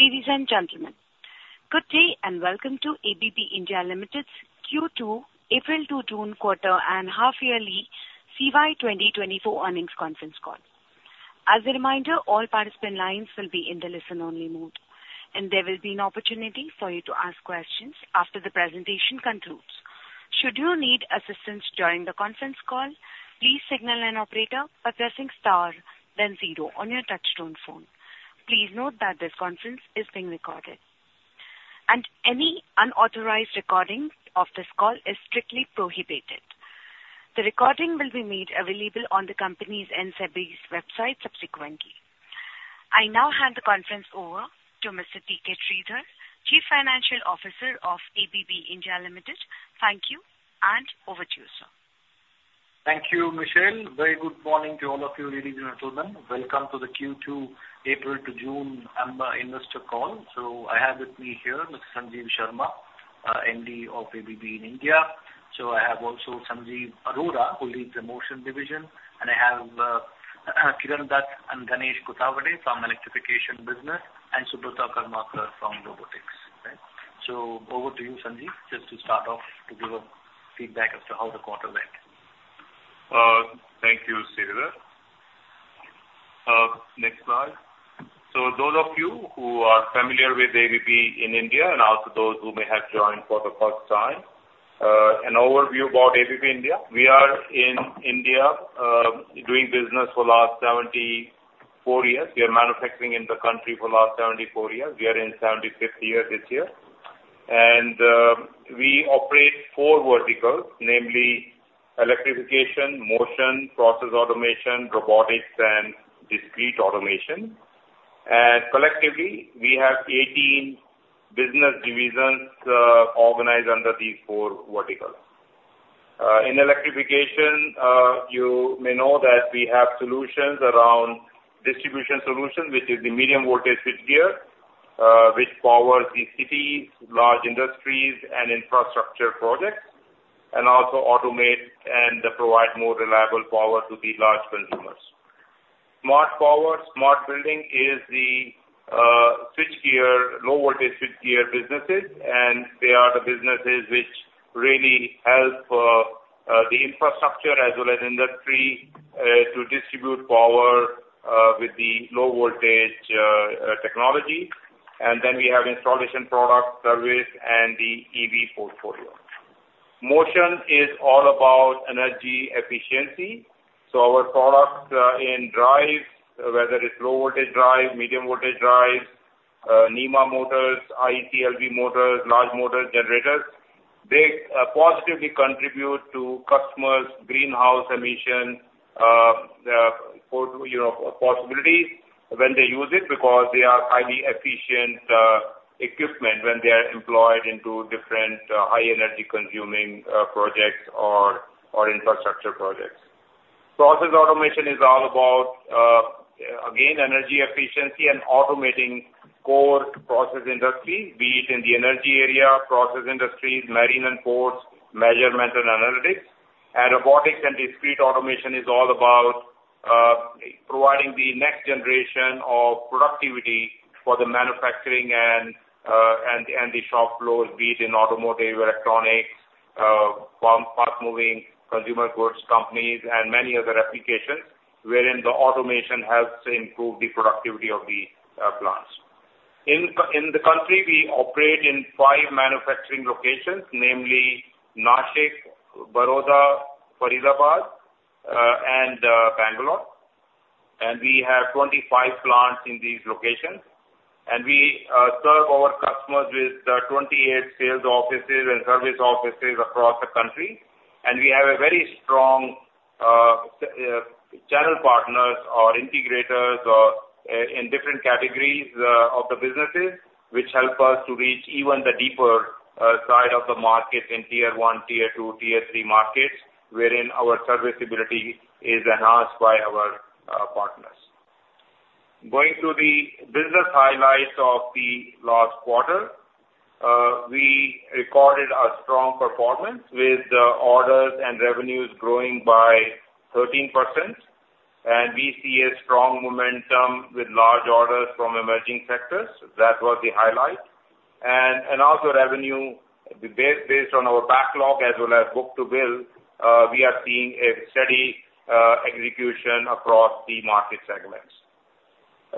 Ladies and gentlemen, good day, and welcome to ABB India Limited's Q2, April-June quarter and half yearly CY 2024 earnings conference call. As a reminder, all participant lines will be in the listen-only mode, and there will be an opportunity for you to ask questions after the presentation concludes. Should you need assistance during the conference call, please signal an operator by pressing star then zero on your touchtone phone. Please note that this conference is being recorded, and any unauthorized recording of this call is strictly prohibited. The recording will be made available on the company's and SEBI's website subsequently. I now hand the conference over to Mr. T.K. Sridhar, Chief Financial Officer of ABB India Limited. Thank you, and over to you, sir. Thank you, Michelle. Very good morning to all of you, ladies and gentlemen. Welcome to the Q2, April-June, investor call. So I have with me here Mr. Sanjeev Sharma, MD of ABB India. So I have also Sanjeev Arora, who leads the Motion division, and I have, Kiran Dutt and Ganesh Kothawade from Electrification business, and Subrata Karmakar from Robotics. Right. So over to you, Sanjeev, just to start off, to give a feedback as to how the quarter went. Thank you, Sridhar. Next slide. So those of you who are familiar with ABB in India and also those who may have joined for the first time, an overview about ABB India. We are in India, doing business for the last 74 years. We are manufacturing in the country for the last 74 years. We are in 75th year this year. And, we operate four verticals, namely Electrification, Motion, Process Automation, Robotics and Discrete Automation. And collectively, we have 18 business divisions, organized under these four verticals. In Electrification, you may know that we have solutions around distribution solutions, which is the medium voltage switchgear, which powers the cities, large industries and infrastructure projects, and also automate and provide more reliable power to the large consumers. Smart Power, Smart Building is the switchgear, low voltage switchgear businesses, and they are the businesses which really help the infrastructure as well as industry to distribute power with the low voltage technology. And then we have Installation Products, service, and the EV portfolio. Motion is all about energy efficiency. So our products in drive, whether it's low voltage drive, medium voltage drive, NEMA motors, IE3 LV motors, large motor generators, they positively contribute to customers' greenhouse emission you know, possibilities when they use it, because they are highly efficient equipment when they are employed into different high energy consuming projects or infrastructure projects. Process automation is all about again, energy efficiency and automating core process industry, be it in the energy area, process industries, marine and ports, measurement and analytics. Robotics and discrete automation is all about providing the next generation of productivity for the manufacturing and the shop floor, be it in automotive, electronics, pump, fast-moving consumer goods companies, and many other applications, wherein the automation helps to improve the productivity of the plants. In the country, we operate in five manufacturing locations, namely Nashik, Baroda, Faridabad, and Bangalore. We have 25 plants in these locations. We serve our customers with 28 sales offices and service offices across the country. We have a very strong channel partners or integrators or in different categories of the businesses, which help us to reach even the deeper side of the market in Tier One, Tier Two, Tier Three markets, wherein our serviceability is enhanced by our partners. Going through the business highlights of the last quarter, we recorded a strong performance with orders and revenues growing by 13%, and we see a strong momentum with large orders from emerging sectors. That was the highlight. And also revenue, based on our backlog as well as book-to-bill, we are seeing a steady execution across the market segments.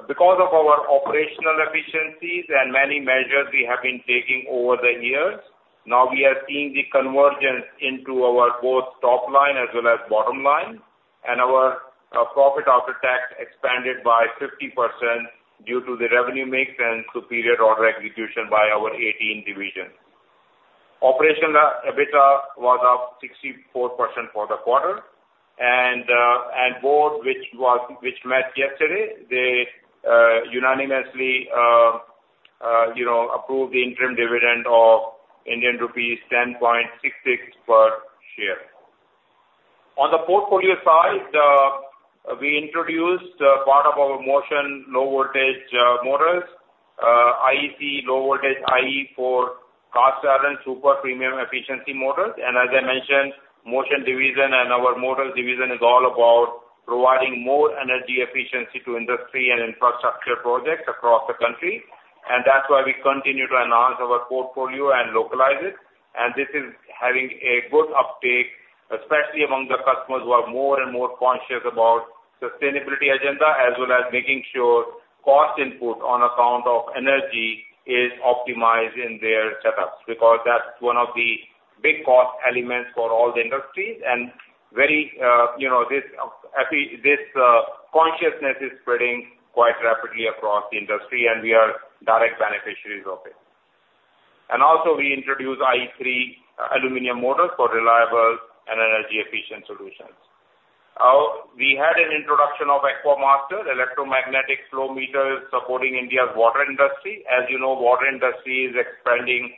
Because of our operational efficiencies and many measures we have been taking over the years, now we are seeing the convergence into our both top line as well as bottom line, and our profit after tax expanded by 50% due to the revenue mix and superior order execution by our 18 divisions. Operational EBITDA was up 64% for the quarter, and the board, which met yesterday, they unanimously you know approved the interim dividend of Indian rupees 10.66 per share. On the portfolio side, we introduced part of our Motion low voltage motors, IEC low voltage IE4 cast iron super premium efficiency motors. And as I mentioned, Motion division and our motors division is all about providing more energy efficiency to industry and infrastructure projects across the country. And that's why we continue to enhance our portfolio and localize it. And this is having a good uptake, especially among the customers who are more and more conscious about sustainability agenda, as well as making sure cost input on account of energy is optimized in their setups, because that's one of the big cost elements for all the industries and very, you know, I think this consciousness is spreading quite rapidly across the industry, and we are direct beneficiaries of it. And also, we introduced IE3 Aluminum Motors for reliable and energy efficient solutions. We had an introduction of AquaMaster electromagnetic flow meters supporting India's water industry. As you know, water industry is expanding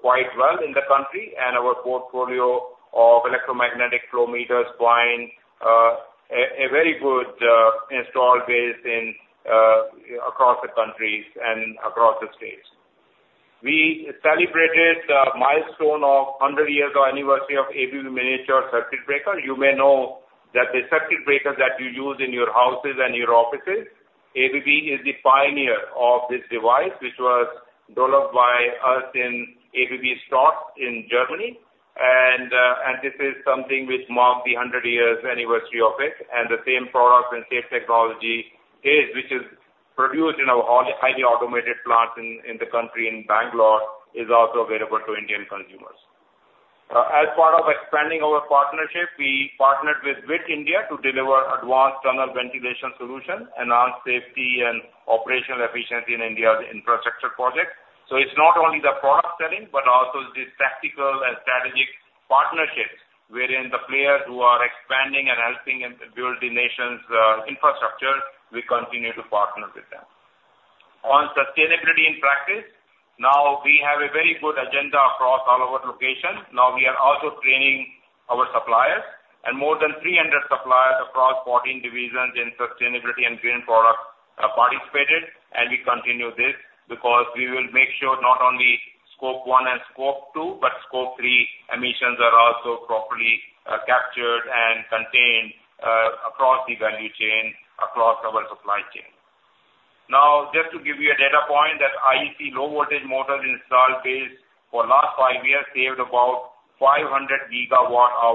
quite well in the country, and our portfolio of electromagnetic flow meters find a very good install base across the countries and across the states. We celebrated the milestone of 100 years of anniversary of ABB Miniature Circuit Breaker. You may know that the circuit breakers that you use in your houses and your offices, ABB is the pioneer of this device, which was developed by us in ABB Stotz in Germany. And this is something which marked the 100 years anniversary of it. And the same product and same technology, which is produced in our highly automated plants in the country, in Bangalore, is also available to Indian consumers. As part of expanding our partnership, we partnered with Witt India to deliver advanced Tunnel Ventilation Solution, enhance safety and operational efficiency in India's infrastructure projects. So it's not only the product selling, but also the tactical and strategic partnerships wherein the players who are expanding and helping in build the nation's infrastructure, we continue to partner with them. On sustainability in practice, now, we have a very good agenda across all our locations. Now, we are also training our suppliers and more than 300 suppliers across 14 divisions in sustainability and green products participated. And we continue this, because we will make sure not only Scope 1 and Scope 2, but Scope 3 emissions are also properly captured and contained across the value chain, across our supply chain. Now, just to give you a data point, that IEC low voltage motor install base for last five years saved about 500 GWh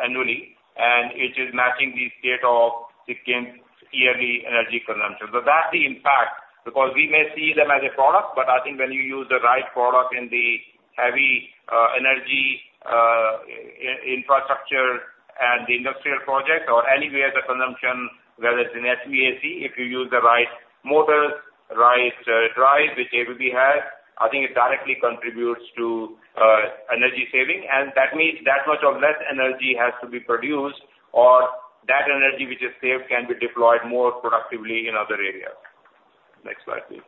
annually, and it is matching the state of Sikkim's yearly energy consumption. So that's the impact, because we may see them as a product, but I think when you use the right product in the heavy, energy, infrastructure and the industrial projects or anywhere the consumption, whether it's in HVAC, if you use the right motors, right, drive, which ABB has, I think it directly contributes to, energy saving. And that means that much of less energy has to be produced, or that energy which is saved can be deployed more productively in other areas. Next slide, please.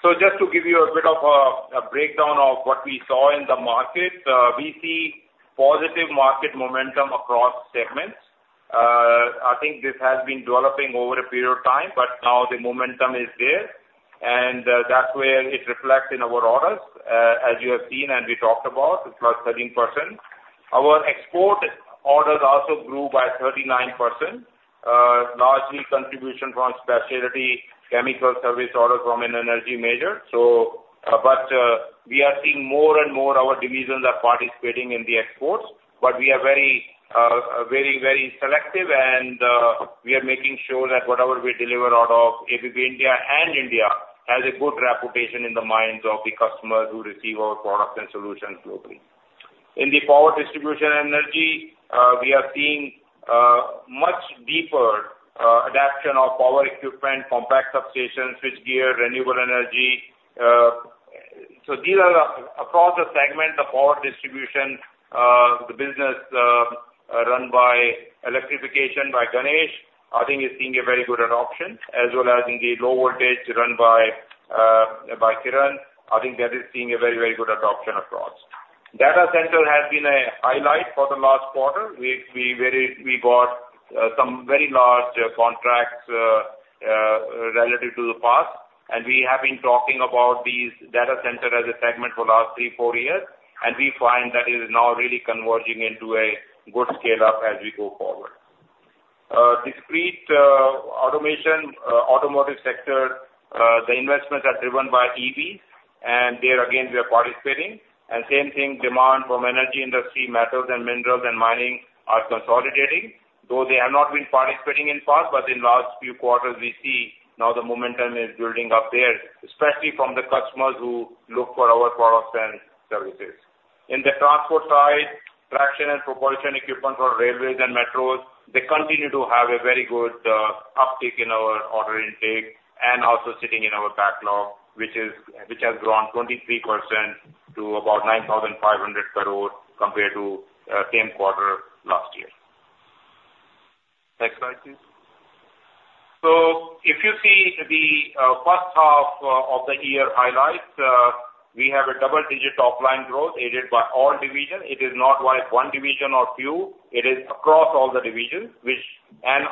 So just to give you a bit of a breakdown of what we saw in the market, we see positive market momentum across segments. I think this has been developing over a period of time, but now the momentum is there, and, that's where it reflects in our orders. As you have seen and we talked about, it's plus 13%. Our export orders also grew by 39%, largely contribution from specialty chemical service orders from an energy major. So, but, we are seeing more and more our divisions are participating in the exports, but we are very, very, very selective and, we are making sure that whatever we deliver out of ABB India and India has a good reputation in the minds of the customers who receive our products and solutions globally. In the power distribution and energy, we are seeing much deeper adoption of power equipment, compact substations, switchgear, renewable energy. So these are the—across the segment of power distribution, the business run by Electrification, by Ganesh, I think is seeing a very good adoption as well as in the low voltage run by, by Kiran. I think that is seeing a very, very good adoption across. Data center has been a highlight for the last quarter. We got some very large contracts relative to the past, and we have been talking about these data center as a segment for last 3-4 years, and we find that it is now really converging into a good scale-up as we go forward. Discrete automation, automotive sector, the investments are driven by EV, and there again, we are participating. And same thing, demand from energy industry, metals and minerals and mining are consolidating, though they have not been participating in past, but in last few quarters we see now the momentum is building up there, especially from the customers who look for our products and services. In the transport side, traction and propulsion equipment for railways and metros, they continue to have a very good uptick in our order intake and also sitting in our backlog, which has grown 23% to about 9,500 crore compared to same quarter last year. So if you see the first half of the year highlights, we have a double digit top line growth aided by all division. It is not like one division or few, it is across all the divisions, which.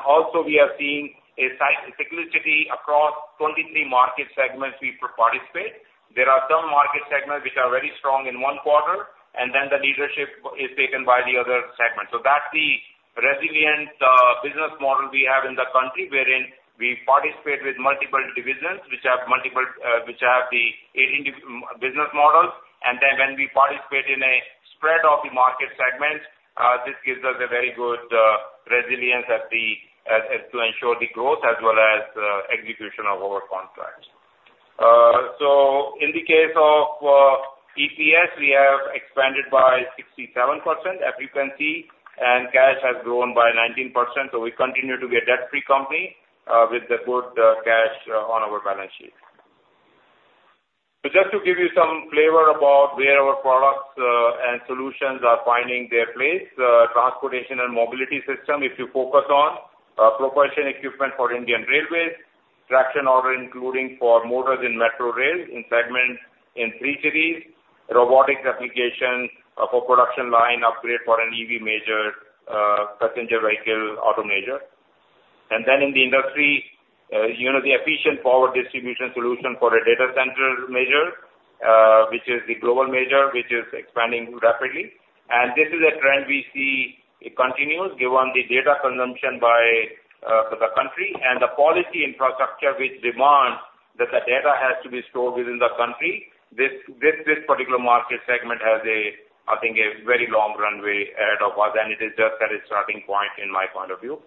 Also we are seeing a cyclicity across 23 market segments we participate. There are some market segments which are very strong in one quarter, and then the leadership is taken by the other segment. So that's the resilient business model we have in the country, wherein we participate with multiple divisions, which have multiple, which have the 18 different business models. And then when we participate in a spread of the market segments, this gives us a very good resilience, the ability to ensure the growth as well as execution of our contracts. So in the case of EPS, we have expanded by 67%, as you can see, and cash has grown by 19%. So we continue to be a debt-free company with a good cash on our balance sheet. So just to give you some flavor about where our products and solutions are finding their place, transportation and mobility system, if you focus on propulsion equipment for Indian Railways, traction order, including for motors in metro rail, in segment in three cities, robotics application for production line upgrade for an EV major, passenger vehicle auto major. And then in the industry, you know, the efficient power distribution solution for a data center major, which is the global major, which is expanding rapidly. And this is a trend we see it continues, given the data consumption by the country and the policy infrastructure, which demands that the data has to be stored within the country. This particular market segment has a, I think, a very long runway ahead of us, and it is just at its starting point, in my point of view.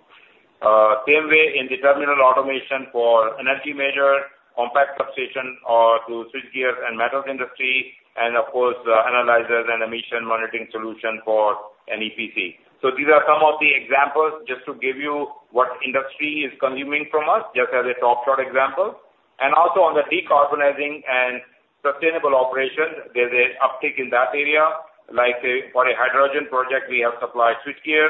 Same way in the terminal automation for energy major, compact substation, to switchgear and metals industry and of course, the analyzers and emission monitoring solution for an EPC. So these are some of the examples, just to give you what industry is consuming from us, just as a top short example. And also on the decarbonizing and sustainable operations, there's a uptick in that area. Like a, for a hydrogen project, we have supplied switchgear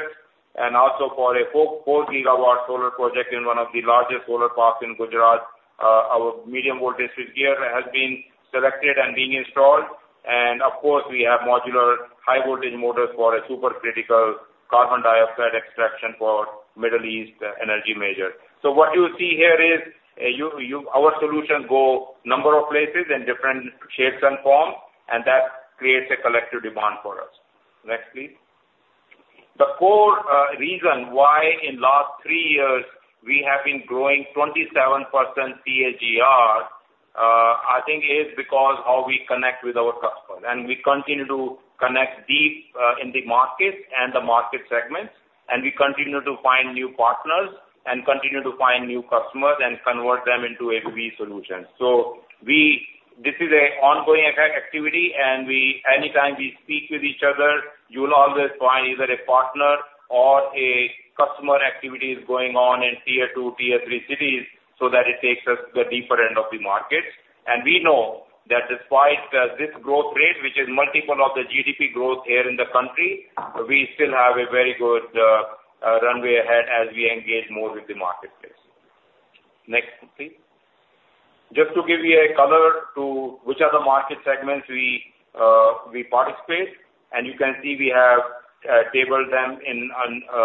and also for a 4 GW solar project in one of the largest solar parks in Gujarat. Our medium voltage switchgear has been selected and been installed. Of course, we have modular high voltage motors for a supercritical carbon dioxide extraction for Middle East energy major. So what you see here is, our solutions go number of places in different shapes and forms, and that creates a collective demand for us. Next, please. The core reason why in last three years we have been growing 27% CAGR, I think is because how we connect with our customers, and we continue to connect deep in the markets and the market segments, and we continue to find new partners and continue to find new customers and convert them into ABB solutions. This is an ongoing activity, and we anytime we speak with each other, you'll always find either a partner or a customer activity is going on in Tier Two, Tier Three cities, so that it takes us to the deeper end of the market. And we know that despite this growth rate, which is multiple of the GDP growth here in the country, we still have a very good runway ahead as we engage more with the marketplace. Next, please. Just to give you a color to which are the market segments we participate, and you can see we have tabled them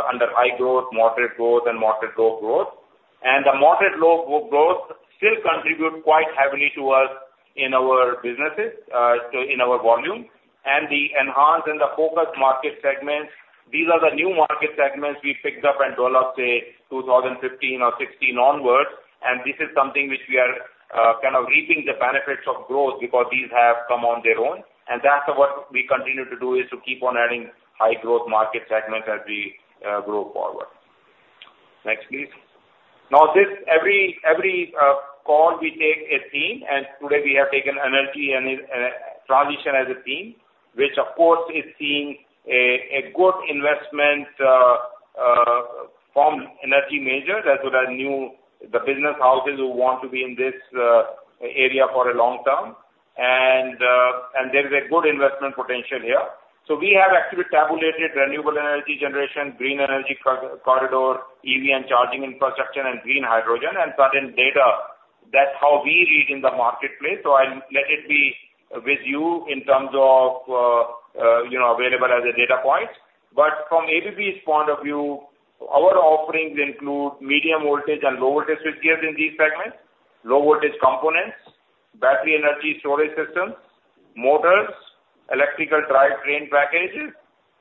under high growth, moderate growth, and moderate low growth. And the moderate low growth still contribute quite heavily to us in our businesses, so in our volume. The enhanced and the focused market segments, these are the new market segments we picked up and developed, say, 2015 or 2016 onwards. This is something which we are kind of reaping the benefits of growth because these have come on their own, and that's what we continue to do, is to keep on adding high growth market segments as we grow forward. Next, please. Now, every call, we take a theme, and today we have taken energy and transition as a theme, which of course is seeing a good investment from energy majors, as well as new the business houses who want to be in this area for a long term. There is a good investment potential here. So we have actually tabulated renewable energy generation, green energy corridor, EV and charging infrastructure, and green hydrogen and certain data. That's how we read in the marketplace, so I'll let it be with you in terms of, you know, available as a data point. But from ABB's point of view, our offerings include medium voltage and low voltage switchgears in these segments, low voltage components, battery energy storage systems, motors, electrical drive train packages,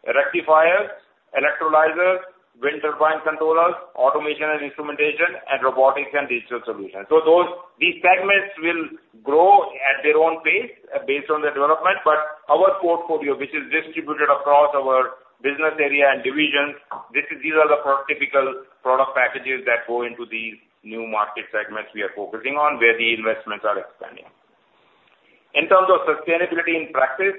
rectifiers, electrolyzers, wind turbine controllers, automation and instrumentation, and robotics and digital solutions. So those, these segments will grow at their own pace, based on their development. But our portfolio, which is distributed across our business area and divisions, this is, these are the prototypical product packages that go into these new market segments we are focusing on, where the investments are expanding. In terms of sustainability in practice,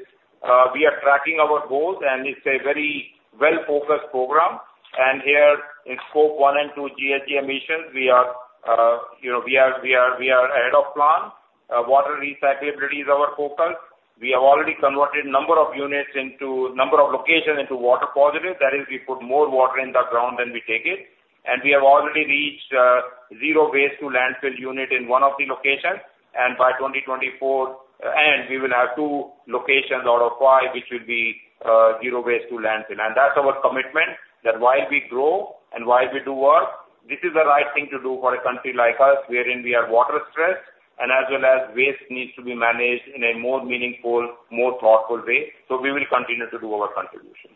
we are tracking our goals and it's a very well-focused program. And here in Scope 1 and 2 GHG emissions, you know, we are ahead of plan. Water recyclability is our focus. We have already converted number of units into number of locations into Water Positive. That is, we put more water in the ground than we take it. And we have already reached zero waste to landfill unit in one of the locations. And by 2024, we will have two locations out of five, which will be zero waste to landfill. That's our commitment, that while we grow and while we do work, this is the right thing to do for a country like us, wherein we are water stressed, and as well as waste needs to be managed in a more meaningful, more thoughtful way. We will continue to do our contribution.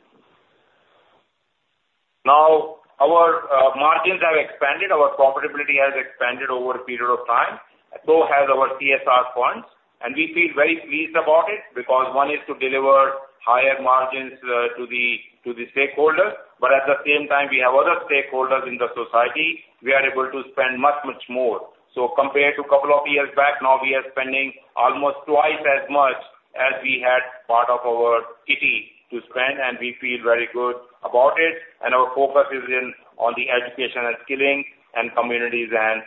Now, our margins have expanded, our profitability has expanded over a period of time, so has our CSR funds, and we feel very pleased about it because one is to deliver higher margins to the, to the stakeholders, but at the same time, we have other stakeholders in the society. We are able to spend much, much more. Compared to a couple of years back, now we are spending almost twice as much as we had part of our CET to spend, and we feel very good about it. Our focus is in on the education and skilling and communities and,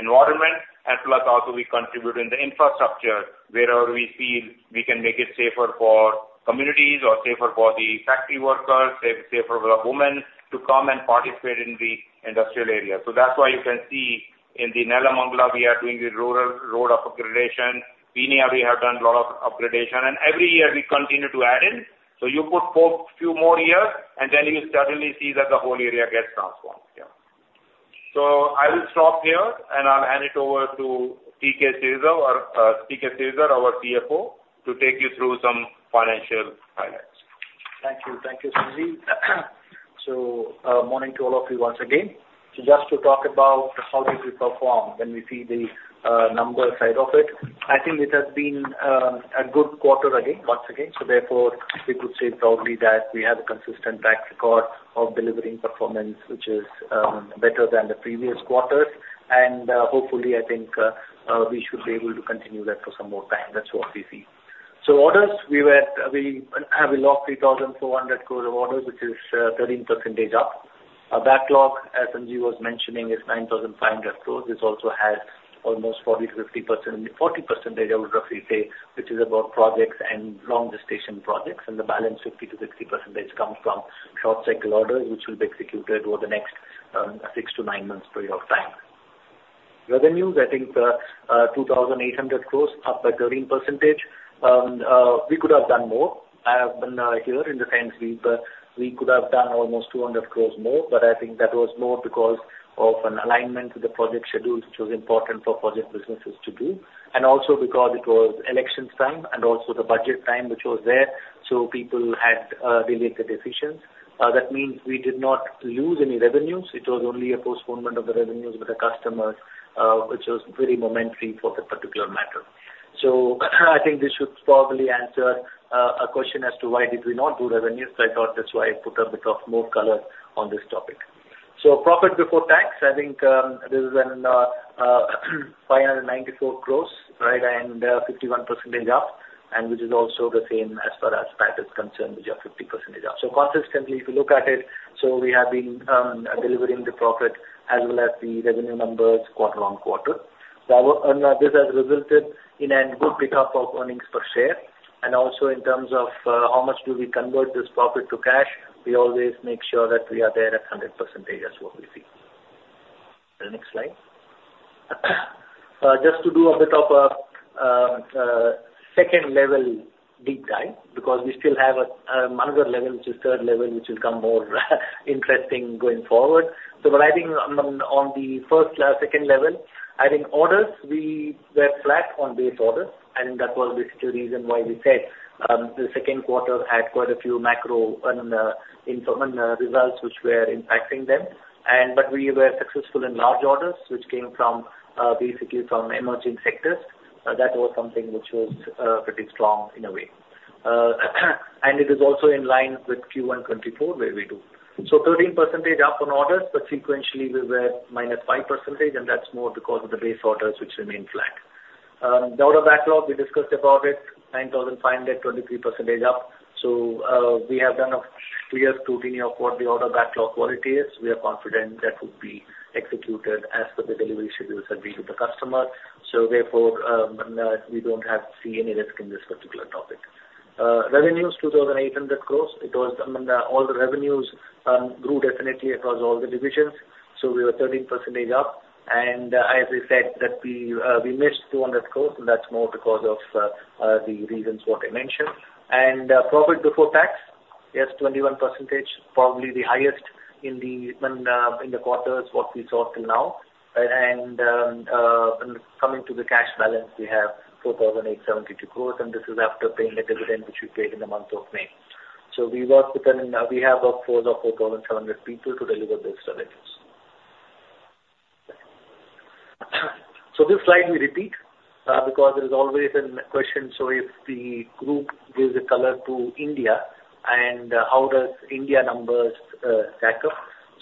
environment, as well as also we contribute in the infrastructure wherever we feel we can make it safer for communities or safer for the factory workers, safer for the women to come and participate in the industrial area. So that's why you can see in the Nelamangala, we are doing the rural road upgradation. Peenya, we have done a lot of upgradation, and every year we continue to add in. So you put forth few more years, and then you suddenly see that the whole area gets transformed. Yeah. So I will stop here, and I'll hand it over to T.K. Sridhar, our, T.K. Sridhar, our CFO, to take you through some financial highlights. Thank you. Thank you, Sanjeev. So, morning to all of you once again. So just to talk about how did we perform when we see the numbers side of it. I think it has been a good quarter again, once again. So therefore, we could say probably that we have a consistent track record of delivering performance, which is better than the previous quarters. And, hopefully, I think, we should be able to continue that for some more time. That's what we see. So orders, we were at, we have a locked 3,400 crore of orders, which is 13% up. Our backlog, as Sanjeev was mentioning, is 9,500 crore. This also has almost 40%-50%, 40%, I would roughly say, which is about projects and long duration projects. The balance 50%-60% comes from short cycle orders, which will be executed over the next 6-9 months period of time. Revenues, I think, 2,800 crores, up by 13%. We could have done more. I have been here in the sense we could have done almost 200 crores more, but I think that was more because of an alignment to the project schedules, which was important for project businesses to do, and also because it was elections time and also the budget time, which was there, so people had delayed the decisions. That means we did not lose any revenues. It was only a postponement of the revenues with the customers, which was very momentary for that particular matter. So I think this should probably answer a question as to why did we not do revenues. So I thought that's why I put a bit of more color on this topic. So profit before tax, I think, this is an, five hundred and ninety-four crores, right, and, fifty-one percentage up, and which is also the same as far as tax is concerned, which are fifty percentage up. So consistently, if you look at it, so we have been, delivering the profit as well as the revenue numbers quarter-on-quarter. So, and this has resulted in a good pick up of earnings per share. And also in terms of, how much do we convert this profit to cash, we always make sure that we are there at hundred percentage is what we see. The next slide. Just to do a bit of a second level deep dive, because we still have another level, which is third level, which will come more interesting going forward. So but I think on the first second level, I think orders, we were flat on base orders, and that was basically the reason why we said the second quarter had quite a few macro and in results, which were impacting them. And but we were successful in large orders, which came from basically from emerging sectors. That was something which was pretty strong in a way. And it is also in line with Q1 2024, where we do. So 13% up on orders, but sequentially we were minus 5%, and that's more because of the base orders, which remain flat. The order backlog, we discussed about it, 9,500 crore, 23% up. So, we have done a clear scrutiny of what the order backlog quality is. We are confident that would be executed as per the delivery schedules agreed with the customer. So therefore, we don't have to see any risk in this particular topic. Revenues, 2,800 crore. It was, I mean, all the revenues grew definitely across all the divisions, so we were 13% up. And as I said, that we missed 200 crore, and that's more because of the reasons what I mentioned. And profit before tax, yes, 21%, probably the highest in the quarters what we saw till now. And, coming to the cash balance, we have 4,872 crores, and this is after paying the dividend, which we paid in the month of May. So we work within, we have a force of 4,700 people to deliver those revenues. So this slide we repeat, because there is always a question, so if the group gives a color to India, and, how does India numbers stack up?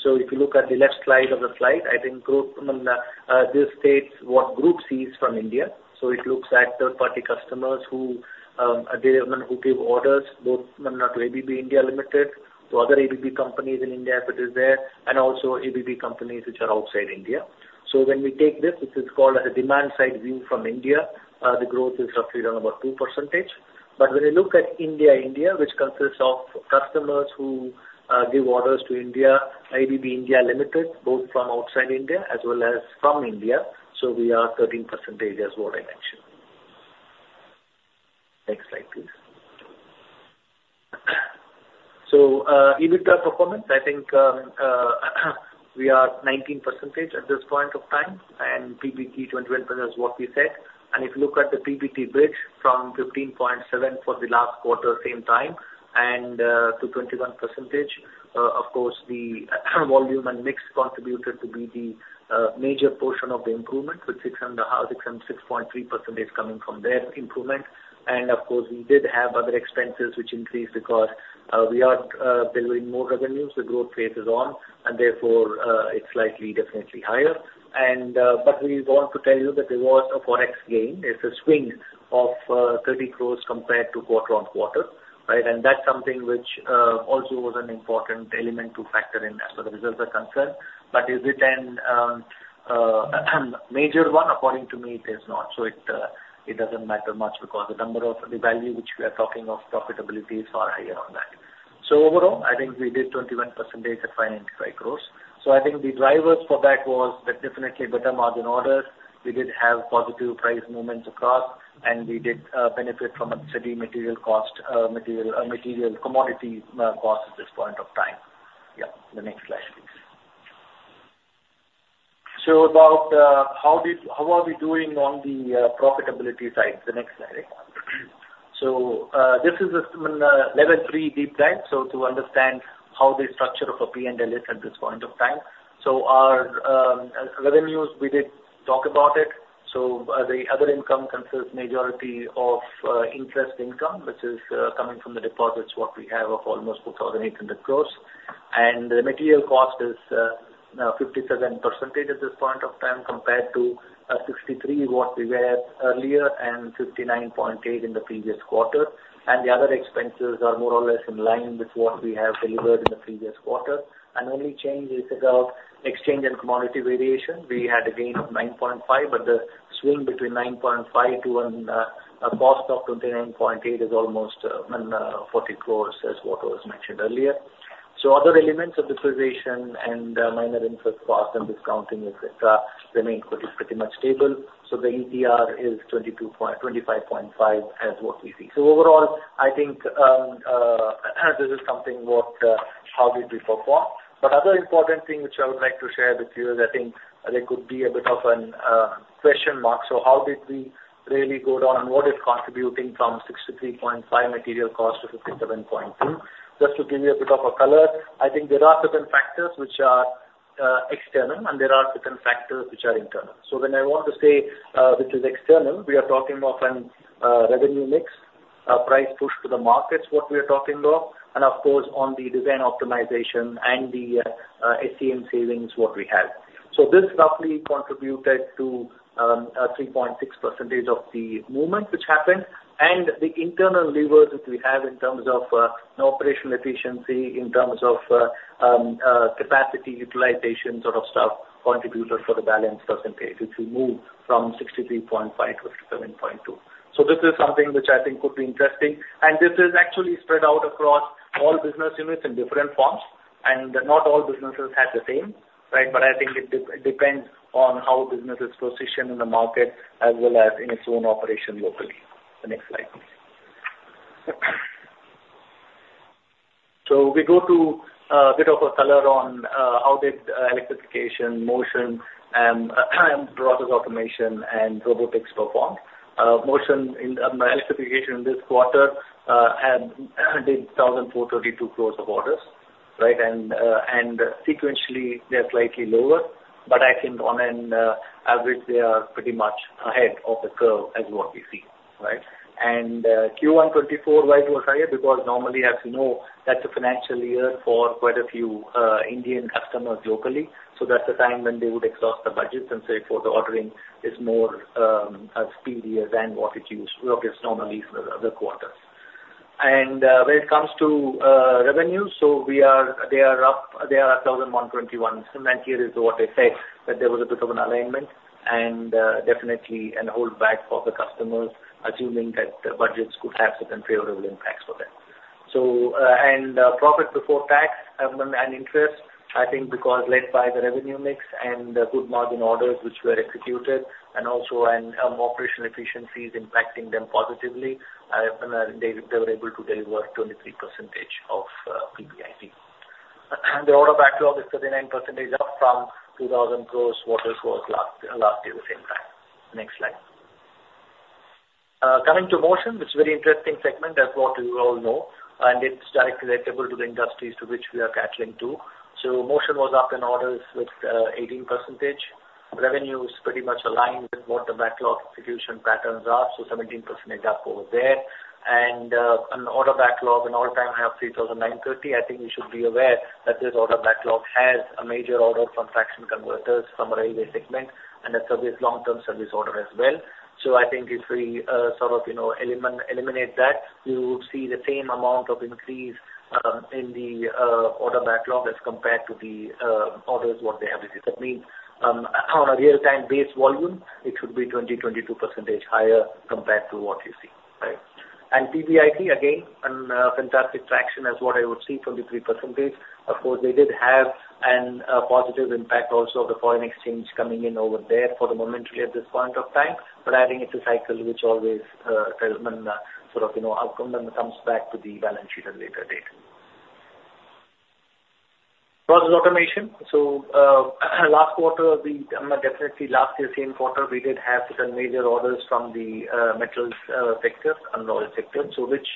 So if you look at the left side of the slide, I think group, this states what group sees from India. So it looks at third party customers who, who give orders both, not to ABB India Limited, to other ABB companies in India, if it is there, and also ABB companies which are outside India. So when we take this, this is called a demand side view from India, the growth is roughly around about 2%. But when you look at India, India, which consists of customers who give orders to India, ABB India Limited, both from outside India as well as from India, so we are 13% as what I mentioned. Next slide, please. So, EBITDA performance, I think, we are 19% at this point of time, and PBT 21% is what we said. And if you look at the PBT bridge from 15.7% for the last quarter same time and to 21%, of course, the volume and mix contributed to be the major portion of the improvement, with 606.3% coming from there improvement. Of course, we did have other expenses which increased because we are delivering more revenues. The growth phase is on, and therefore, it's slightly definitely higher. But we want to tell you that there was a Forex gain. It's a swing of 30 crores compared to quarter-on-quarter, right? And that's something which also was an important element to factor in as far as the results are concerned. But is it a major one? According to me, it is not. So it doesn't matter much because the number of the value which we are talking of profitability is far higher on that. So overall, I think we did 21% at INR 595 crores. So I think the drivers for that was that definitely better margin orders. We did have positive price movements across, and we did benefit from a steady material cost, material commodity cost at this point of time. Yeah. The next slide, please. So about how did-- how are we doing on the profitability side? The next slide, please. So this is a level three deep dive, so to understand how the structure of a P&L is at this point of time. So our revenues, we did talk about it. So the other income consists majority of interest income, which is coming from the deposits what we have of almost 2,800 crore. And the material cost is 57% at this point of time, compared to 63% what we were earlier, and 59.8% in the previous quarter. The other expenses are more or less in line with what we have delivered in the previous quarter. The only change is about exchange and commodity variation. We had a gain of 9.5 crore, but the swing between 9.5 crore to a cost of 29.8 crore is almost 40 crore, as what was mentioned earlier. So other elements of depreciation and minor interest costs and discounting, et cetera, remain pretty, pretty much stable. So the ETR is 25.5 as what we see. So overall, I think this is something what how did we perform. But other important thing which I would like to share with you is I think there could be a bit of a question mark. So how did we really go down and what is contributing from 63.5 material cost to 57.2? Just to give you a bit of a color, I think there are certain factors which are external, and there are certain factors which are internal. So when I want to say which is external, we are talking of an revenue mix, a price push to the markets, what we are talking of, and of course, on the design optimization and the SCM savings what we have. So this roughly contributed to 3.6% of the movement which happened, and the internal levers which we have in terms of operational efficiency, in terms of capacity utilization sort of stuff, contributed for the balance percentage, which we moved from 63.5-57.2. So this is something which I think could be interesting, and this is actually spread out across all business units in different forms, and not all businesses have the same, right? But I think it depends on how business is positioned in the market as well as in its own operation locally. The next slide, please. So we go to a bit of a color on how did electrification, motion, and process automation, and robotics perform. Motion and electrification in this quarter had 4,432 crores of orders, right? And sequentially, they are slightly lower, but I think on an average, they are pretty much ahead of the curve as what we see, right? And Q1 2024, why it was higher? Because normally, as you know, that's a financial year for quite a few Indian customers locally. So that's the time when they would exhaust the budgets and say, for the ordering is more speedier than what it used, what is normally for the other quarters. And when it comes to revenue, so we are-- they are up, they are at 1,021, and here is what I said, that there was a bit of an alignment and definitely a hold back for the customers, assuming that the budgets could have some favorable impacts for them. So and profit before tax and interest, I think because led by the revenue mix and the good margin orders which were executed, and also and operational efficiencies impacting them positively, and they were able to deliver 23% of PBIT. The order backlog is 39% up from 2,000 crore, what it was last year at the same time. Next slide. Coming to Motion, which is a very interesting segment, as what we all know, and it's directly relatable to the industries to which we are catering to. So Motion was up in orders with 18%. Revenue is pretty much aligned with what the backlog execution patterns are, so 17% end up over there. And, an order backlog, an all-time high of 3,930 crore, I think we should be aware that this order backlog has a major order from Traction Converters, from railway segment, and a service, long-term service order as well. So I think if we sort of you know eliminate that, you would see the same amount of increase in the order backlog as compared to the orders what they have received. That means on a real-time base volume, it should be 22% higher compared to what you see, right? And PBIT, again, an fantastic traction as what I would see, 23%. Of course, they did have an positive impact also of the foreign exchange coming in over there for the momentarily at this point of time, but adding it to cycle, which always development sort of you know outcome, then comes back to the balance sheet at later date. Process automation. So, last quarter, we, definitely last year, same quarter, we did have certain major orders from the, metals, sector and oil sector, so which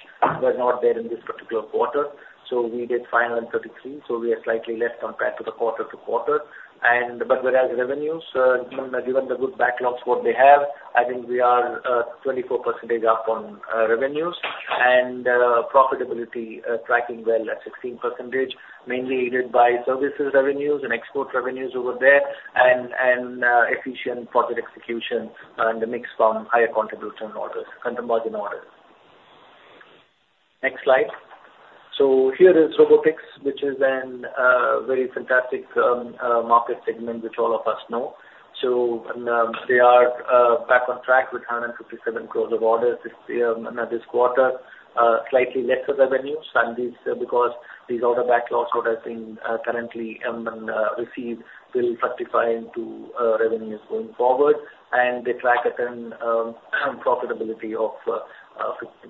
were not there in this particular quarter. So we did 533, so we are slightly less compared to the quarter-to-quarter. And, but whereas revenues, given, given the good backlogs what they have, I think we are, 24% up on, revenues. And, profitability, tracking well at 16%, mainly aided by services revenues and export revenues over there, and, and, efficient project execution, and the mix from higher contribution orders, contribution orders. Next slide. So here is Robotics, which is a very fantastic market segment, which all of us know. So, they are back on track with 157 crores of orders this quarter. Slightly lesser revenues, and this because these order backlogs what I think, currently, received will rectify into revenues going forward. And they track it in profitability of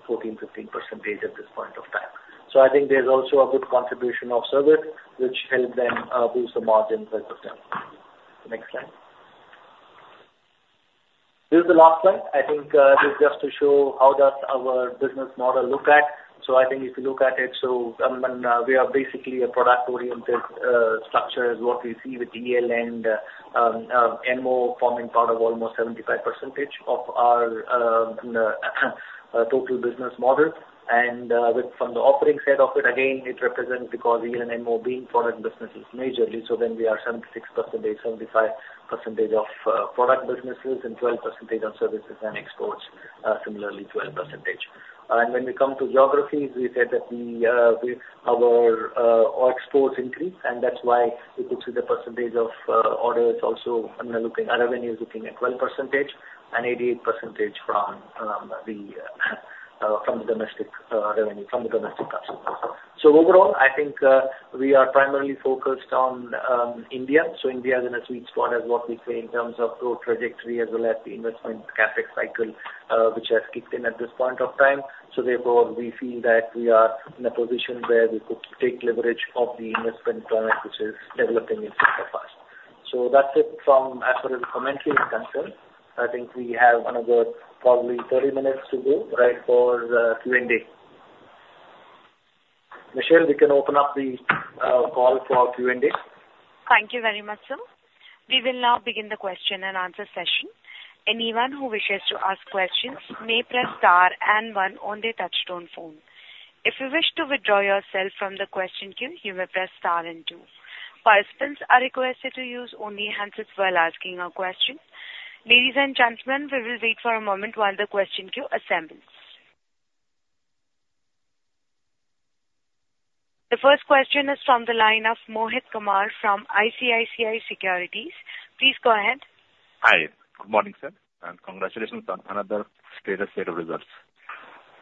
fourteen, fifteen percentage at this point of time. So I think there's also a good contribution of service, which help them boost the margins as well. Next slide. This is the last slide. I think this is just to show how does our business model look at. So I think if you look at it, so, we are basically a product-oriented structure, as what we see with EL and MO forming part of almost 75% of our total business model. And with from the operating side of it, again, it represents because EL and MO being foreign businesses majorly, so then we are 76%, 75% of product businesses and 12% of services and exports, similarly 12%. And when we come to geographies, we said that we our exports increased, and that's why you could see the percentage of orders also, and looking at revenues, looking at 12% and 88% from the domestic revenue, from the domestic customers. So overall, I think, we are primarily focused on India. So India is in a sweet spot, as what we say in terms of growth trajectory, as well as the investment CapEx cycle, which has kicked in at this point of time. So therefore, we feel that we are in a position where we could take leverage of the investment climate, which is developing in front of us. So that's it from as far as the commentary is concerned. I think we have another probably 30 minutes to go, right, for the Q&A. Michelle, we can open up the call for our Q&A. Thank you very much, sir. We will now begin the question and answer session. Anyone who wishes to ask questions may press star and one on their touchtone phone. If you wish to withdraw yourself from the question queue, you may press star and two. Participants are requested to use only handsets while asking a question. Ladies and gentlemen, we will wait for a moment while the question queue assembles. The first question is from the line of Mohit Kumar from ICICI Securities. Please go ahead. Hi. Good morning, sir, and congratulations on another great set of results.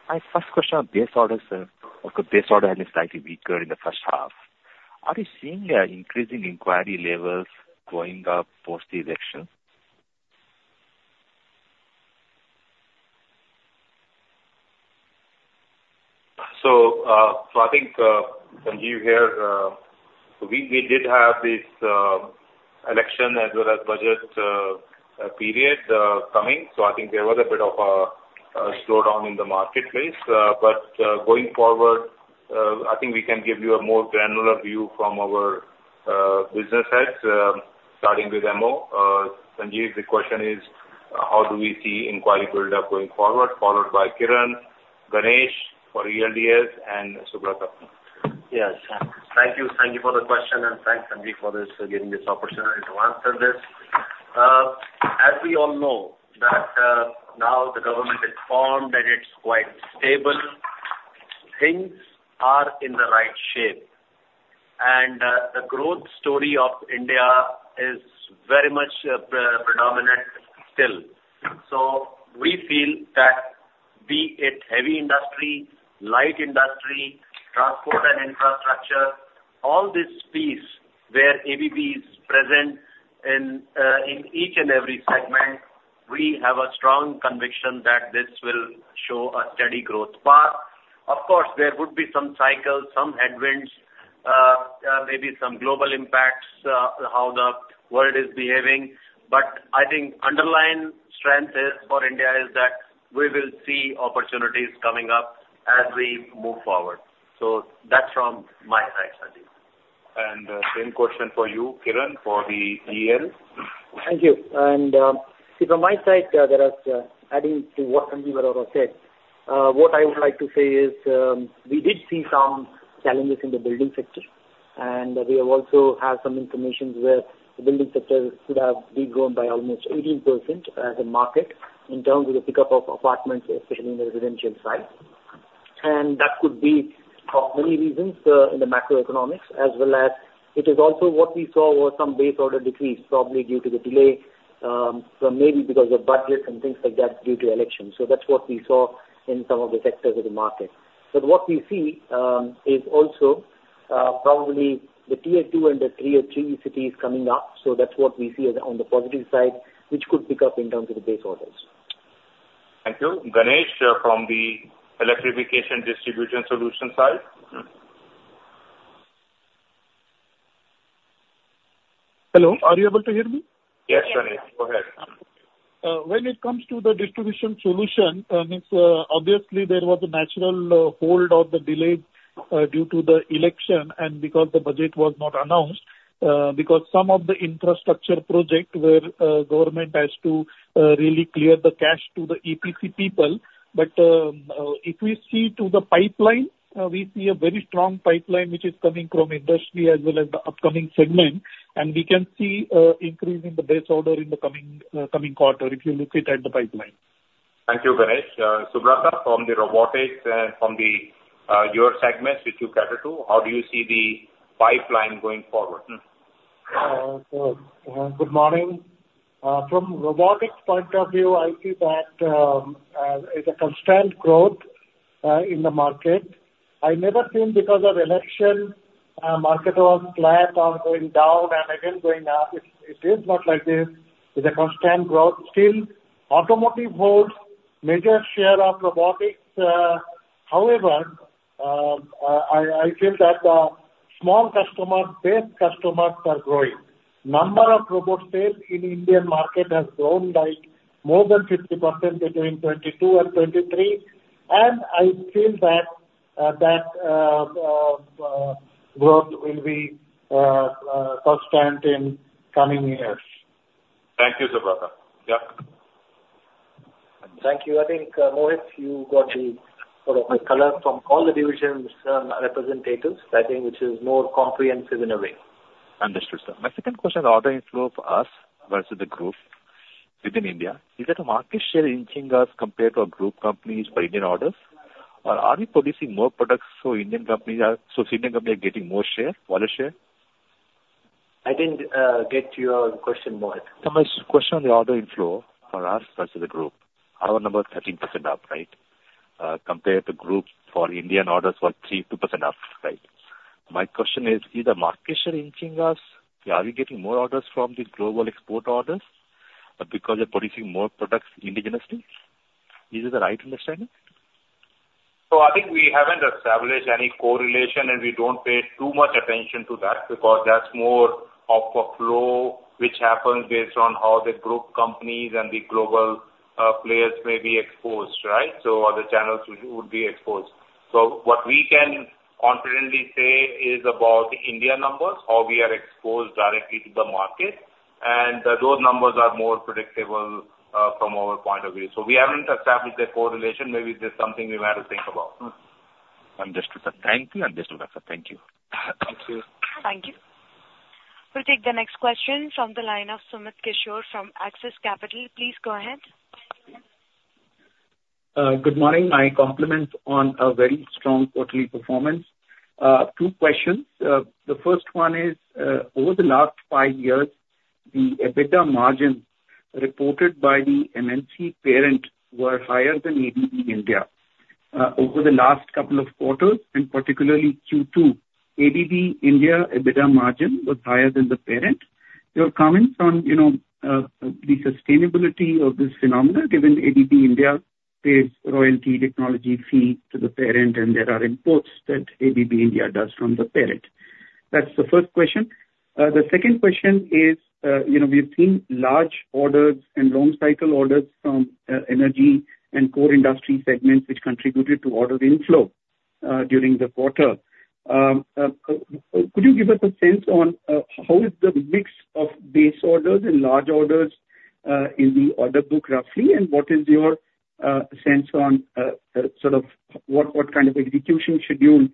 My first question on base orders, sir. Of course, base order has been slightly weaker in the first half. Are you seeing increasing inquiry levels going up post the election? So I think, Sanjeev here, we did have this election as well as budget period coming, so I think there was a bit of a slowdown in the marketplace. But going forward, I think we can give you a more granular view from our business heads, starting with MO. Sanjeev, the question is, how do we see inquiry build-up going forward? Followed by Kiran, Ganesh for ELDS, and Subrata. Yes, thank you. Thank you for the question, and thanks, Sanjeev, for this, giving this opportunity to answer this. As we all know, that now the government is formed and it's quite stable, things are in the right shape. And the growth story of India is very much predominant still. So we feel that be it heavy industry, light industry, transport and infrastructure, all this piece where ABB is present in, in each and every segment, we have a strong conviction that this will show a steady growth path. Of course, there would be some cycles, some headwinds, maybe some global impacts, how the world is behaving, but I think underlying strength is, for India, is that we will see opportunities coming up as we move forward. So that's from my side, Sanjeev. Same question for you, Kiran, for the EL. Thank you. And, see, from my side, there are adding to what Sanjeev Arora said, what I would like to say is, we did see some challenges in the building sector, and we have also had some information where the building sector could have been grown by almost 18%, as a market in terms of the pickup of apartments, especially in the residential side. And that could be for many reasons, in the macroeconomics, as well as it is also what we saw was some base order decrease, probably due to the delay, from maybe because of budgets and things like that, due to elections. So that's what we saw in some of the sectors of the market. But what we see, is also, probably the Tier two and the Tier three cities coming up. That's what we see as on the positive side, which could pick up in terms of the base orders. Thank you. Ganesh, from the electrification distribution solutions side? Hello, are you able to hear me? Yes, Ganesh, go ahead. When it comes to the distribution solution, obviously there was a natural hold or the delay due to the election, and because the budget was not announced. Because some of the infrastructure project where government has to really clear the cash to the EPC people. But if we see to the pipeline, we see a very strong pipeline, which is coming from industry as well as the upcoming segment, and we can see increase in the base order in the coming quarter, if you look it at the pipeline. Thank you, Ganesh. Subrata, from the robotics, from the, your segment, which you cater to, how do you see the pipeline going forward? So, good morning. From robotics point of view, I see that it's a constant growth in the market. I never think because of election, market was flat or going down and again going up. It is not like this. It's a constant growth. Still, automotive holds major share of robotics. However, I feel that small customers, base customers are growing. Number of robot sales in Indian market has grown by more than 50% between 2022 and 2023, and I feel that growth will be constant in coming years. Thank you, Subrata. Yeah. Thank you. I think, Mohit, you got the sort of a color from all the divisions, representatives, I think, which is more comprehensive in a way. Understood, sir. My second question, order inflow for us versus the group within India. Is there the market share increasing as compared to our group companies for Indian orders? Or are we producing more products so Indian companies are-- so Indian company are getting more share, market share? I didn't get your question, Mohit. My question on the order inflow for us versus the group. Our number is 13% up, right? Compared to the group's for Indian orders were 3.2% up, right? My question is: Is the market share increasing as we are getting more orders from the global export orders, because we're producing more products indigenously? Is this the right understanding? So I think we haven't established any correlation, and we don't pay too much attention to that, because that's more of a flow which happens based on how the group companies and the global players may be exposed, right? So other channels would be exposed. So what we can confidently say is about India numbers, how we are exposed directly to the market, and those numbers are more predictable from our point of view. So we haven't established a correlation. Maybe this is something we might have to think about. Understood, sir. Thank you. Understood that, sir. Thank you. Thank you. Thank you. We'll take the next question from the line of Sumit Kishore from Axis Capital. Please go ahead. Good morning. My compliments on a very strong quarterly performance. Two questions. The first one is, over the last five years, the EBITDA margins reported by the MNC parent were higher than ABB India. Over the last couple of quarters, and particularly Q2, ABB India EBITDA margin was higher than the parent. Your comments on, you know, the sustainability of this phenomenon, given ABB India pays royalty technology fee to the parent, and there are imports that ABB India does from the parent. That's the first question. The second question is, you know, we've seen large orders and long cycle orders from, energy and core industry segments, which contributed to order inflow, during the quarter. Could you give us a sense on how is the mix of base orders and large orders in the order book roughly? And what is your sense on sort of what kind of execution schedule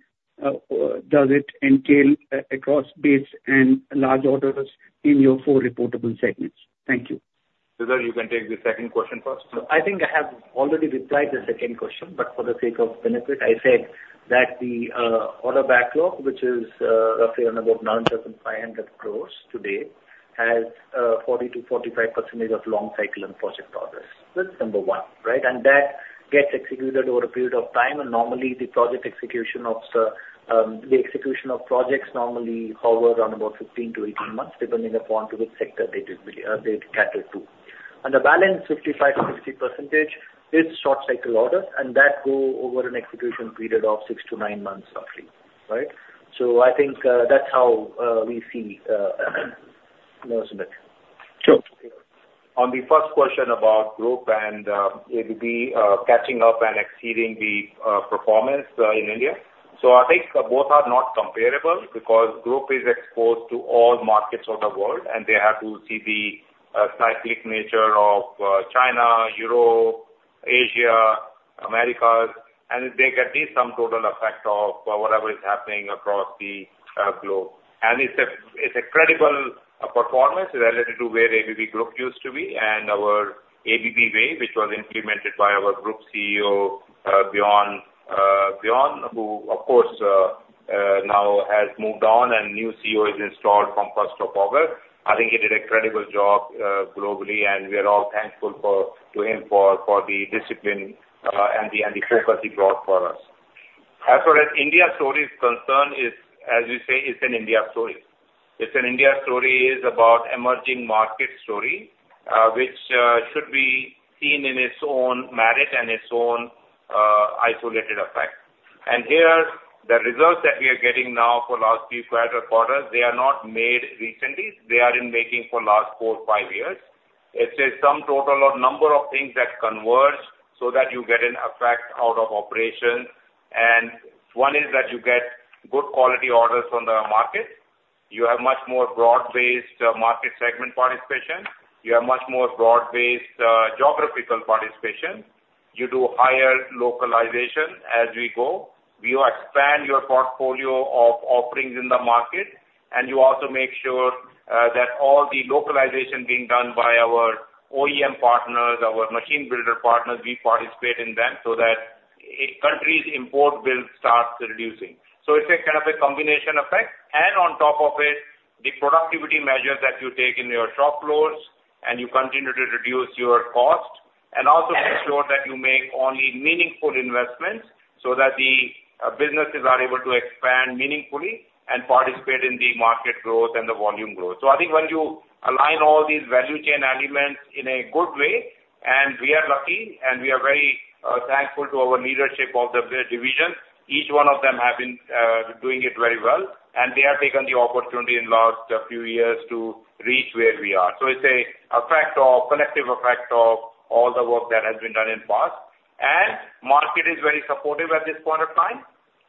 does it entail across base and large orders in your four reportable segments? Thank you. Sridhar, you can take the second question first. I think I have already replied the second question, but for the sake of benefit, I said that the order backlog, which is roughly around about 9,500 crores today, has 40%-45% of Long Cycle and project orders. That's number one, right? And that gets executed over a period of time, and normally the project execution of the the execution of projects normally hover around about 15-18 months, depending upon to which sector they did they cater to. And the balance, 55%-60% is Short Cycle Orders, and that go over an execution period of 6-9 months roughly, right? So I think that's how we see...... No, Sumit. Sure. On the first question about group and ABB catching up and exceeding the performance in India. So I think both are not comparable because group is exposed to all markets of the world, and they have to see the cyclic nature of China, Europe, Asia, Americas, and they get at least some total effect of whatever is happening across the globe. And it's a credible performance relative to where ABB Group used to be, and our ABB way, which was implemented by our group CEO, Björn, Björn, who, of course, now has moved on, and new CEO is installed from first of August. I think he did an incredible job globally, and we are all thankful to him for the discipline and the focus he brought for us. As far as India story is concerned, as you say, it's an India story. It's an India story about emerging market story, which should be seen in its own merit and its own isolated effect. And here, the results that we are getting now for the last few quarters, they are not made recently. They are in making for last 4, 5 years. It's a sum total of number of things that converge so that you get an effect out of operations, and one is that you get good quality orders from the market. You have much more broad-based market segment participation. You have much more broad-based geographical participation. You do higher localization as we go. You expand your portfolio of offerings in the market, and you also make sure that all the localization being done by our OEM partners, our machine builder partners, we participate in them so that a country's import bill starts reducing. So it's a kind of a combination effect, and on top of it, the productivity measures that you take in your shop floors, and you continue to reduce your cost, and also ensure that you make only meaningful investments, so that the businesses are able to expand meaningfully and participate in the market growth and the volume growth. So I think when you align all these value chain elements in a good way, and we are lucky, and we are very thankful to our leadership of the division. Each one of them have been doing it very well, and they have taken the opportunity in last few years to reach where we are. So it's a effect of, collective effect of all the work that has been done in past. And market is very supportive at this point of time,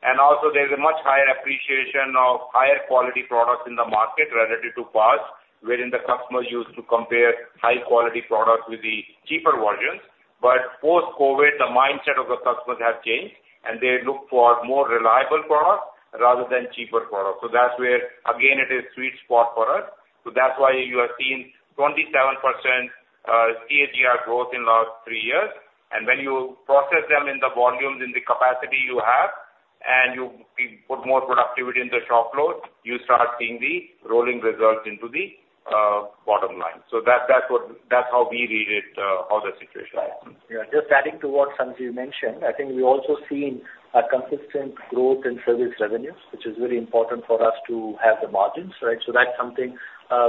and also there's a much higher appreciation of higher quality products in the market relative to past, wherein the customer used to compare high quality products with the cheaper versions. But post-COVID, the mindset of the customers have changed, and they look for more reliable products rather than cheaper products. So that's where, again, it is sweet spot for us. So that's why you are seeing 27%, CAGR growth in last three years. When you process them in the volumes, in the capacity you have, and you put more productivity in the shop floor, you start seeing the rolling results into the bottom line. So that's what, that's how we read it, how the situation lies. Yeah, just adding to what Sanjeev mentioned, I think we've also seen a consistent growth in service revenues, which is very important for us to have the margins, right? So that's something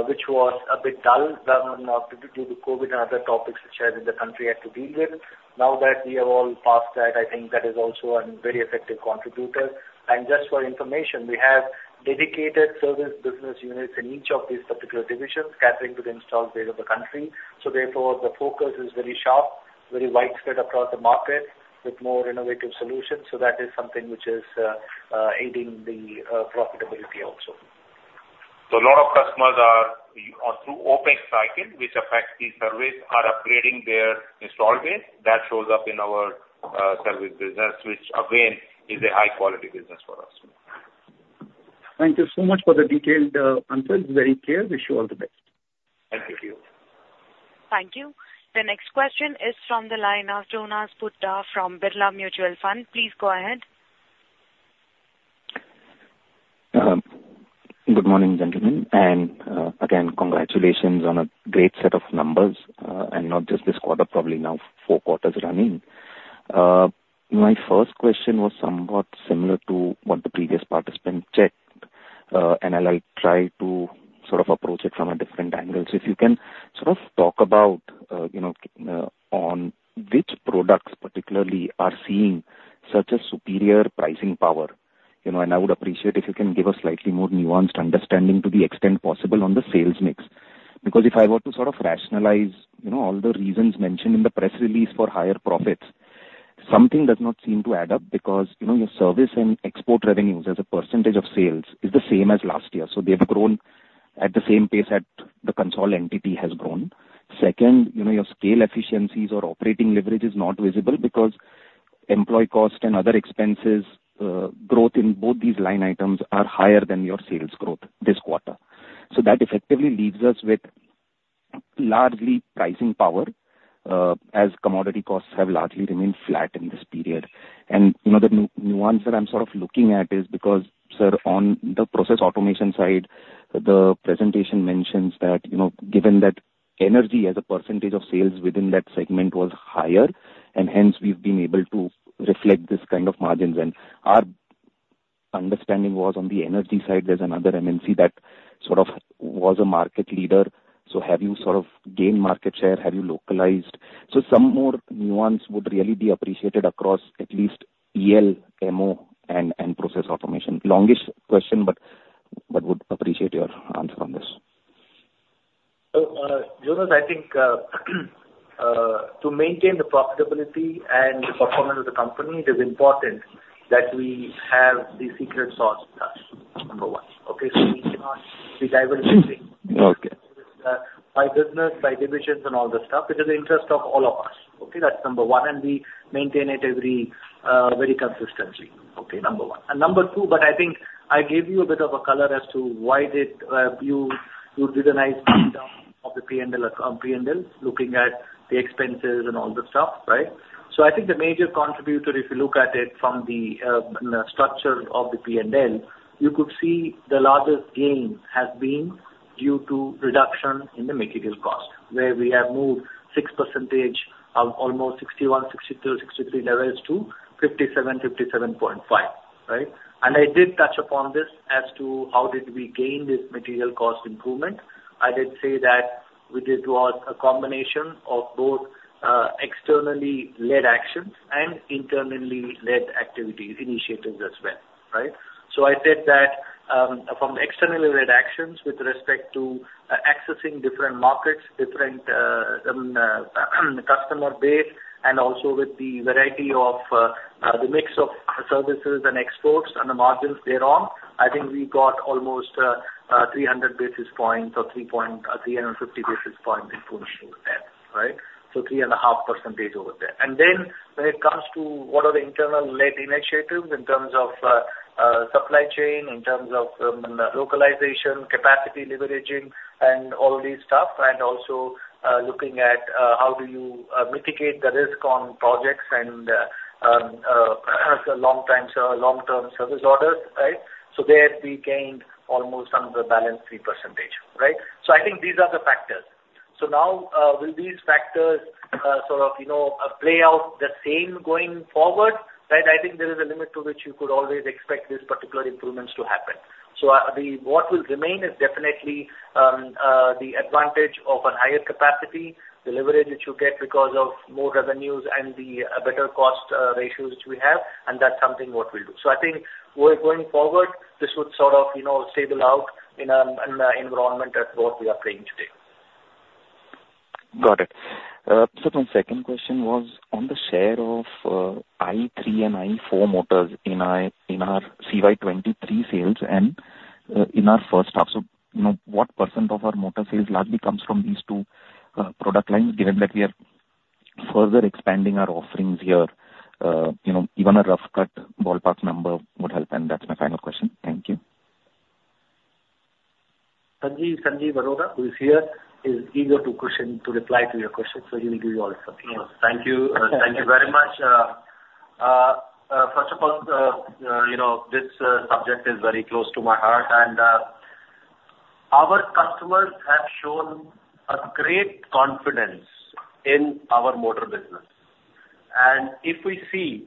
which was a bit dulled down due to the COVID and other topics which the country had to deal with. Now that we are all past that, I think that is also a very effective contributor. And just for information, we have dedicated service business units in each of these particular divisions, catering to the installed base of the country. So therefore, the focus is very sharp, very widespread across the market, with more innovative solutions. So that is something which is aiding the profitability also. A lot of customers are through OPEX cycle, which affects the service, are upgrading their installed base. That shows up in our service business, which again, is a high quality business for us. Thank you so much for the detailed answers. Very clear. Wish you all the best. Thank you. Thank you. The next question is from the line of Jonas Bhutta from Birla Mutual Fund. Please go ahead. Good morning, gentlemen, and, again, congratulations on a great set of numbers, and not just this quarter, probably now four quarters running. My first question was somewhat similar to what the previous participant checked, and I'll try to sort of approach it from a different angle. So if you can sort of talk about, you know, on which products particularly are seeing such a superior pricing power? You know, and I would appreciate if you can give a slightly more nuanced understanding to the extent possible on the sales mix. Because if I were to sort of rationalize, you know, all the reasons mentioned in the press release for higher profits, something does not seem to add up, because, you know, your service and export revenues as a percentage of sales is the same as last year, so they've grown at the same pace that the consolidated entity has grown. Second, you know, your scale efficiencies or operating leverage is not visible because employee cost and other expenses, growth in both these line items are higher than your sales growth this quarter. So that effectively leaves us with largely pricing power, as commodity costs have largely remained flat in this period. Another nuance that I'm sort of looking at is because, sir, on the process automation side, the presentation mentions that, you know, given that energy as a percentage of sales within that segment was higher, and hence we've been able to reflect this kind of margins. And our understanding was on the energy side, there's another MNC that sort of was a market leader. So have you sort of gained market share? Have you localized? So some more nuance would really be appreciated across at least EL, MO, and process automation. Longish question, but would appreciate your answer on this. So, Jonas, I think, to maintain the profitability and the performance of the company, it is important that we have the secret sauce with us, number one, okay? So we cannot be diversifying. Okay. By business, by divisions, and all the stuff. It is in the interest of all of us, okay? That's number one, and we maintain it every, very consistently. Okay, number one. Number two, but I think I gave you a bit of a color as to why did you, you did a nice breakdown of the P&L, P&L, looking at the expenses and all the stuff, right? So I think the major contributor, if you look at it from the structure of the P&L, you could see the largest gain has been due to reduction in the material cost, where we have moved 6 percentage of almost 61, 62, 63 levels to 57, 57.5, right? And I did touch upon this as to how did we gain this material cost improvement. I did say that we did was a combination of both, externally led actions and internally led activities, initiatives as well, right? So I said that, from externally led actions with respect to, accessing different markets, different, customer base, and also with the variety of, the mix of services and exports and the margins thereon, I think we got almost, 300 basis points or 3 point- 350 basis point improvement over there, right? So 3.5% over there. Then when it comes to what are the internal led initiatives in terms of supply chain, in terms of localization, capacity leveraging and all these stuff, and also looking at how do you mitigate the risk on projects and long-term service orders, right? So there we gained almost on the balance 3%, right? So I think these are the factors. So now, will these factors sort of, you know, play out the same going forward? Right, I think there is a limit to which you could always expect these particular improvements to happen. So, what will remain is definitely the advantage of a higher capacity, the leverage which you get because of more revenues and the better cost ratios which we have, and that's something what we'll do. I think we're going forward, this would sort of, you know, stable out in an environment that what we are playing today. Got it. So my second question was on the share of IE3 and IE4 motors in our CY 2023 sales and in our first half. So, you know, what % of our motor sales largely comes from these two product lines, given that we are further expanding our offerings here? You know, even a rough cut, ballpark number would help, and that's my final question. Thank you. Sanjeev, Sanjeev Arora, who is here, is eager to reply to your question, so he will give you all the details. Thank you. Thank you very much. First of all, you know, this subject is very close to my heart, and our customers have shown a great confidence in our motor business. And if we see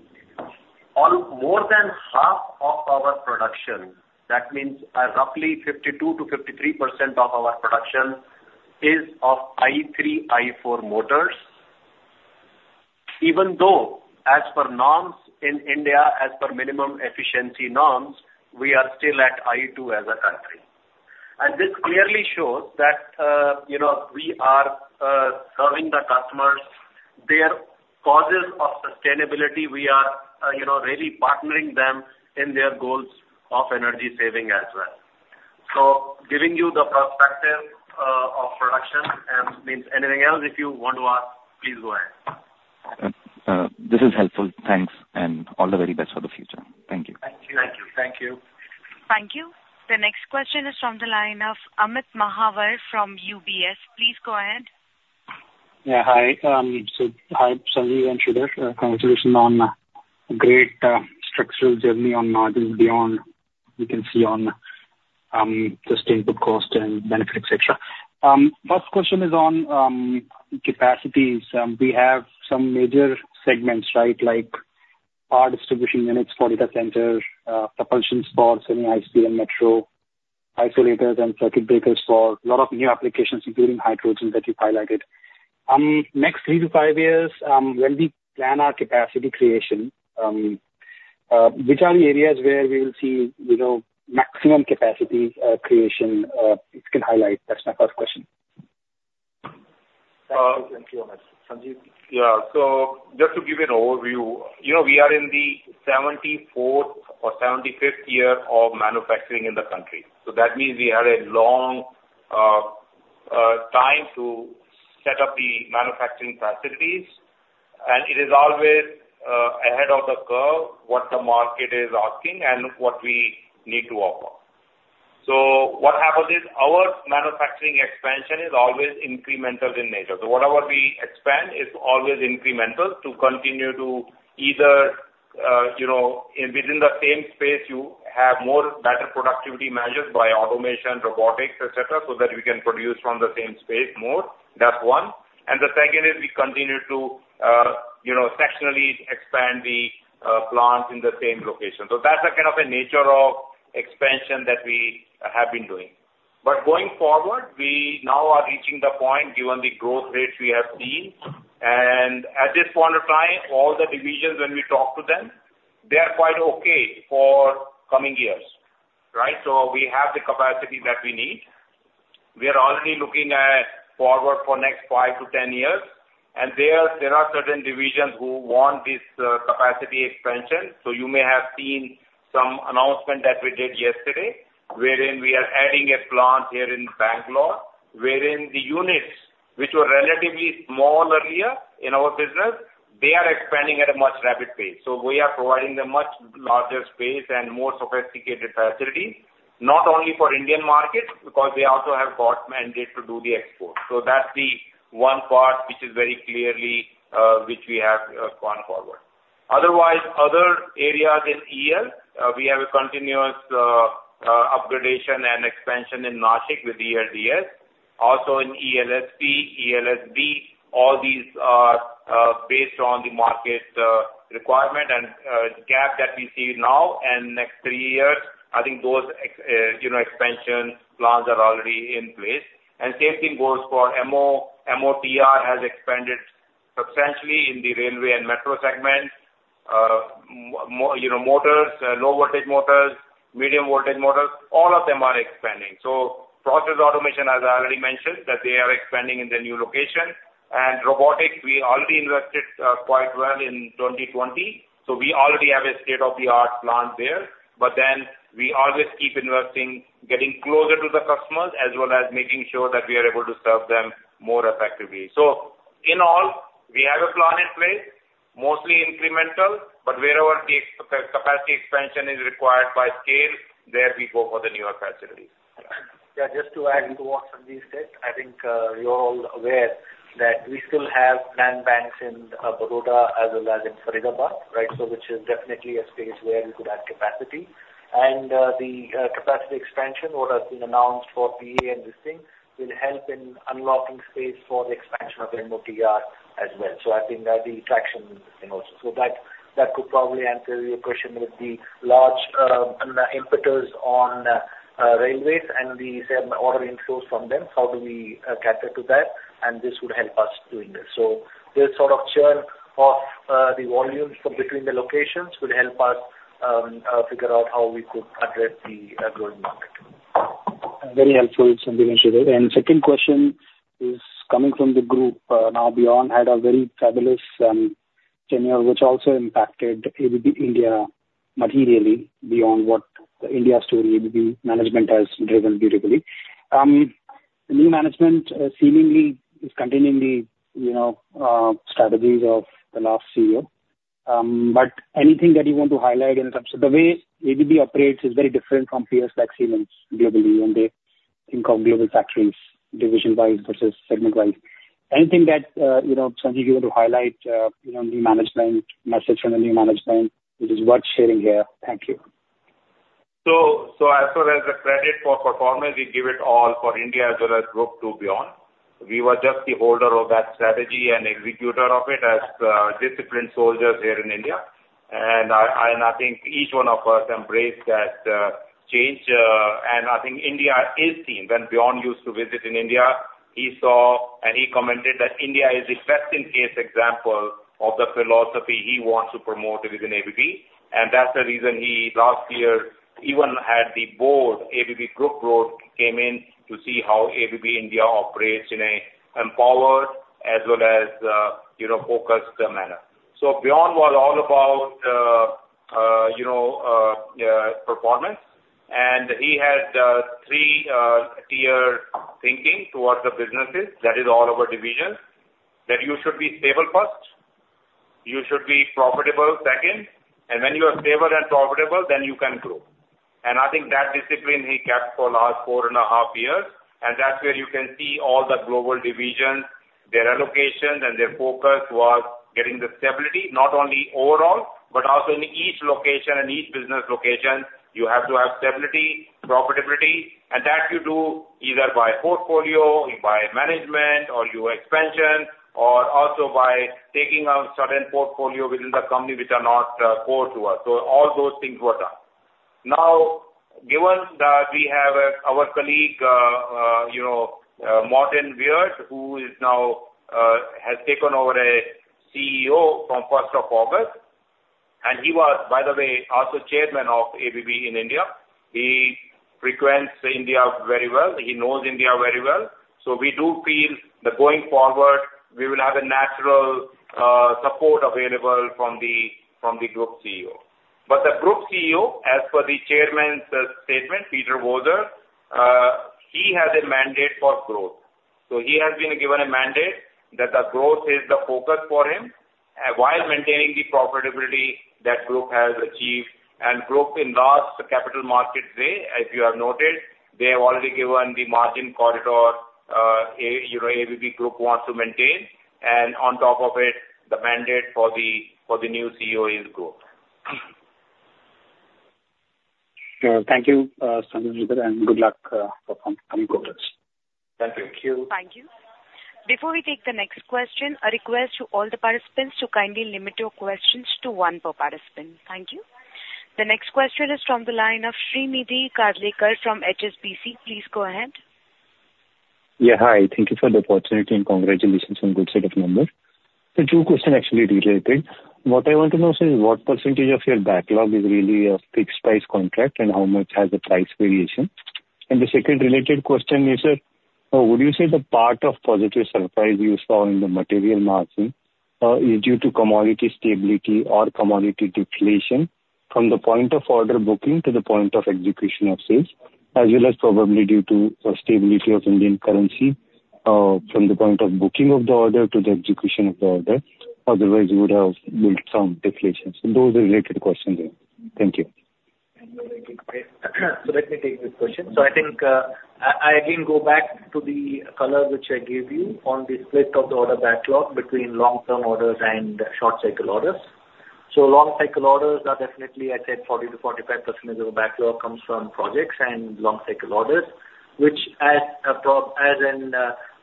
more than half of our production, that means roughly 52%-53% of our production is of IE3, IE4 motors. Even though as per norms in India, as per minimum efficiency norms, we are still at IE2 as a country. And this clearly shows that, you know, we are serving the customers. Their causes of sustainability, we are, you know, really partnering them in their goals of energy saving as well. So giving you the perspective of production, means anything else if you want to ask, please go ahead. This is helpful. Thanks, and all the very best for the future. Thank you. Thank you. Thank you. Thank you. Thank you. The next question is from the line of Amit Mahawar from UBS. Please go ahead. Yeah, hi. So hi, Sanjeev and Sridhar. Congratulations on a great structural journey on margins beyond, you can see on just input cost and benefit, et cetera. First question is on capacities. We have some major segments, right? Like, power distribution units for data centers, propulsions for semi-HSP and metro, isolators and circuit breakers for a lot of new applications, including hydrogen that you've highlighted. Next 3-5 years, when we plan our capacity creation, which are the areas where we will see, you know, maximum capacity creation, you can highlight? That's my first question. Thank you, Amit. Sanjeev? Yeah. So just to give you an overview, you know, we are in the 74th or 75th year of manufacturing in the country. So that means we had a long time to set up the manufacturing facilities, and it is always ahead of the curve, what the market is asking and what we need to offer. So what happens is, our manufacturing expansion is always incremental in nature. So whatever we expand is always incremental to continue to either, you know, within the same space, you have more better productivity measures by automation, robotics, et cetera, so that we can produce from the same space more. That's one. And the second is we continue to, you know, sectionally expand the plants in the same location. So that's a kind of a nature of expansion that we have been doing. But going forward, we now are reaching the point, given the growth rate we have seen, and at this point of time, all the divisions, when we talk to them, they are quite okay for coming years, right? So we have the capacity that we need. We are already looking at forward for next 5 to 10 years, and there, there are certain divisions who want this, capacity expansion. So you may have seen some announcement that we did yesterday, wherein we are adding a plant here in Bangalore, wherein the units which were relatively small earlier in our business, they are expanding at a much rapid pace. So we are providing them much larger space and more sophisticated facilities, not only for Indian markets, because we also have got mandate to do the export. So that's the one part which is very clearly, which we have gone forward. Otherwise, other areas in EL, we have a continuous upgradation and expansion in Nashik with the ELDS. Also in ELSP, ELSB, all these are based on the market requirement, and gap that we see now and next three years, I think those, you know, expansion plans are already in place. And same thing goes for MO. MOTR has expanded substantially in the railway and metro segment. You know, motors, low voltage motors, medium voltage motors, all of them are expanding. So process automation, as I already mentioned, that they are expanding in the new location. And robotics, we already invested quite well in 2020, so we already have a state-of-the-art plant there. But then we always keep investing, getting closer to the customers, as well as making sure that we are able to serve them more effectively. So in all, we have a plan in place, mostly incremental, but wherever the capacity expansion is required by scale, there we go for the newer facilities. Yeah, just to add to what Sanjeev said, I think, you're all aware that we still have plant banks in, Baroda as well as in Faridabad, right? So which is definitely a space where we could add capacity. And, the, capacity expansion what has been announced for PE and this thing will help in unlocking space for the expansion of MOTR as well. So I think that the traction, you know, so that, that could probably answer your question with the large, impetus on, railways and the same order inflows from them, how do we, cater to that? And this would help us doing this. So this sort of churn of, the volumes from between the locations will help us, figure out how we could address the, growing market. Very helpful, Sanjeev and Sridhar. And second question is coming from the group. Now, Björn had a very fabulous tenure, which also impacted ABB India materially beyond what the India story ABB management has driven beautifully. The new management seemingly is continuing the, you know, strategies of the last CEO. But anything that you want to highlight in terms of the way ABB operates is very different from peers like Siemens globally, when they think of global factories, division-wise versus segment-wise. Anything that, you know, Sanjeev, you want to highlight, you know, new management, message from the new management, which is worth sharing here? Thank you. So, so as far as the credit for performance, we give it all for India as well as group to Björn. We were just the holder of that strategy and executor of it as, disciplined soldiers here in India. And I, and I think each one of us embraced that, change, and I think India, his team, when Björn used to visit in India, he saw and he commented that India is the best in case example of the philosophy he wants to promote within ABB. And that's the reason he last year, even at the board, ABB Group board, came in to see how ABB India operates in a empowered as well as, you know, focused manner. So Björn was all about, you know, performance, and he had, three-tier thinking towards the businesses. That is all our divisions. That you should be stable first, you should be profitable second, and when you are stable and profitable, then you can grow. And I think that discipline he kept for last four and a half years, and that's where you can see all the global divisions, their allocations and their focus was getting the stability, not only overall, but also in each location and each business location, you have to have stability, profitability, and that you do either by portfolio, by management or your expansion, or also by taking out certain portfolio within the company, which are not core to us. So all those things were done. Now, given that we have our colleague, you know, Morten Wierod, who is now has taken over as CEO from first of August, and he was, by the way, also Chairman of ABB India. He frequents India very well. He knows India very well. So we do feel that going forward, we will have a natural support available from the Group CEO. But the Group CEO, as per the chairman's statement, Peter Voser, he has a mandate for growth. So he has been given a mandate that the growth is the focus for him while maintaining the profitability that Group has achieved. And Group enhanced the capital markets today, as you have noted, they have already given the margin corridor, you know, ABB Group wants to maintain, and on top of it, the mandate for the new CEO is growth. Thank you, Sanjeev and Sridhar, and good luck for coming forward. ...Thank you. Before we take the next question, a request to all the participants to kindly limit your questions to one per participant. Thank you. The next question is from the line of Shrinidhi Karlekar from HSBC. Please go ahead. Yeah, hi. Thank you for the opportunity, and congratulations on good set of numbers. So two questions actually related. What I want to know, sir, is what percentage of your backlog is really a fixed price contract, and how much has a price variation? And the second related question is that, would you say the part of positive surprise you saw in the material margin, is due to commodity stability or commodity deflation from the point of order booking to the point of execution of sales, as well as probably due to the stability of Indian currency, from the point of booking of the order to the execution of the order? Otherwise, you would have built some deflation. So those are related questions. Thank you. So let me take this question. I think, I again go back to the color which I gave you on the split of the order backlog between long-term orders and short cycle orders. Long cycle orders are definitely, I'd say 40%-45% of the backlog comes from projects and long cycle orders, which as a protection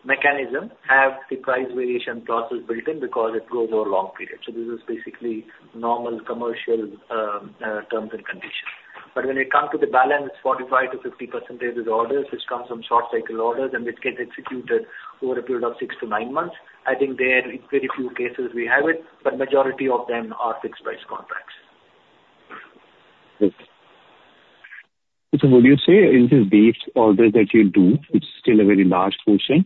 mechanism have the price variation clauses built in because it goes over long period. This is basically normal commercial terms and conditions. But when it comes to the balance, 45%-50% of orders, which comes from short cycle orders, and which gets executed over a period of 6-9 months, I think there in very few cases we have it, but majority of them are fixed price contracts. Good. So would you say in the base orders that you do, it's still a very large portion,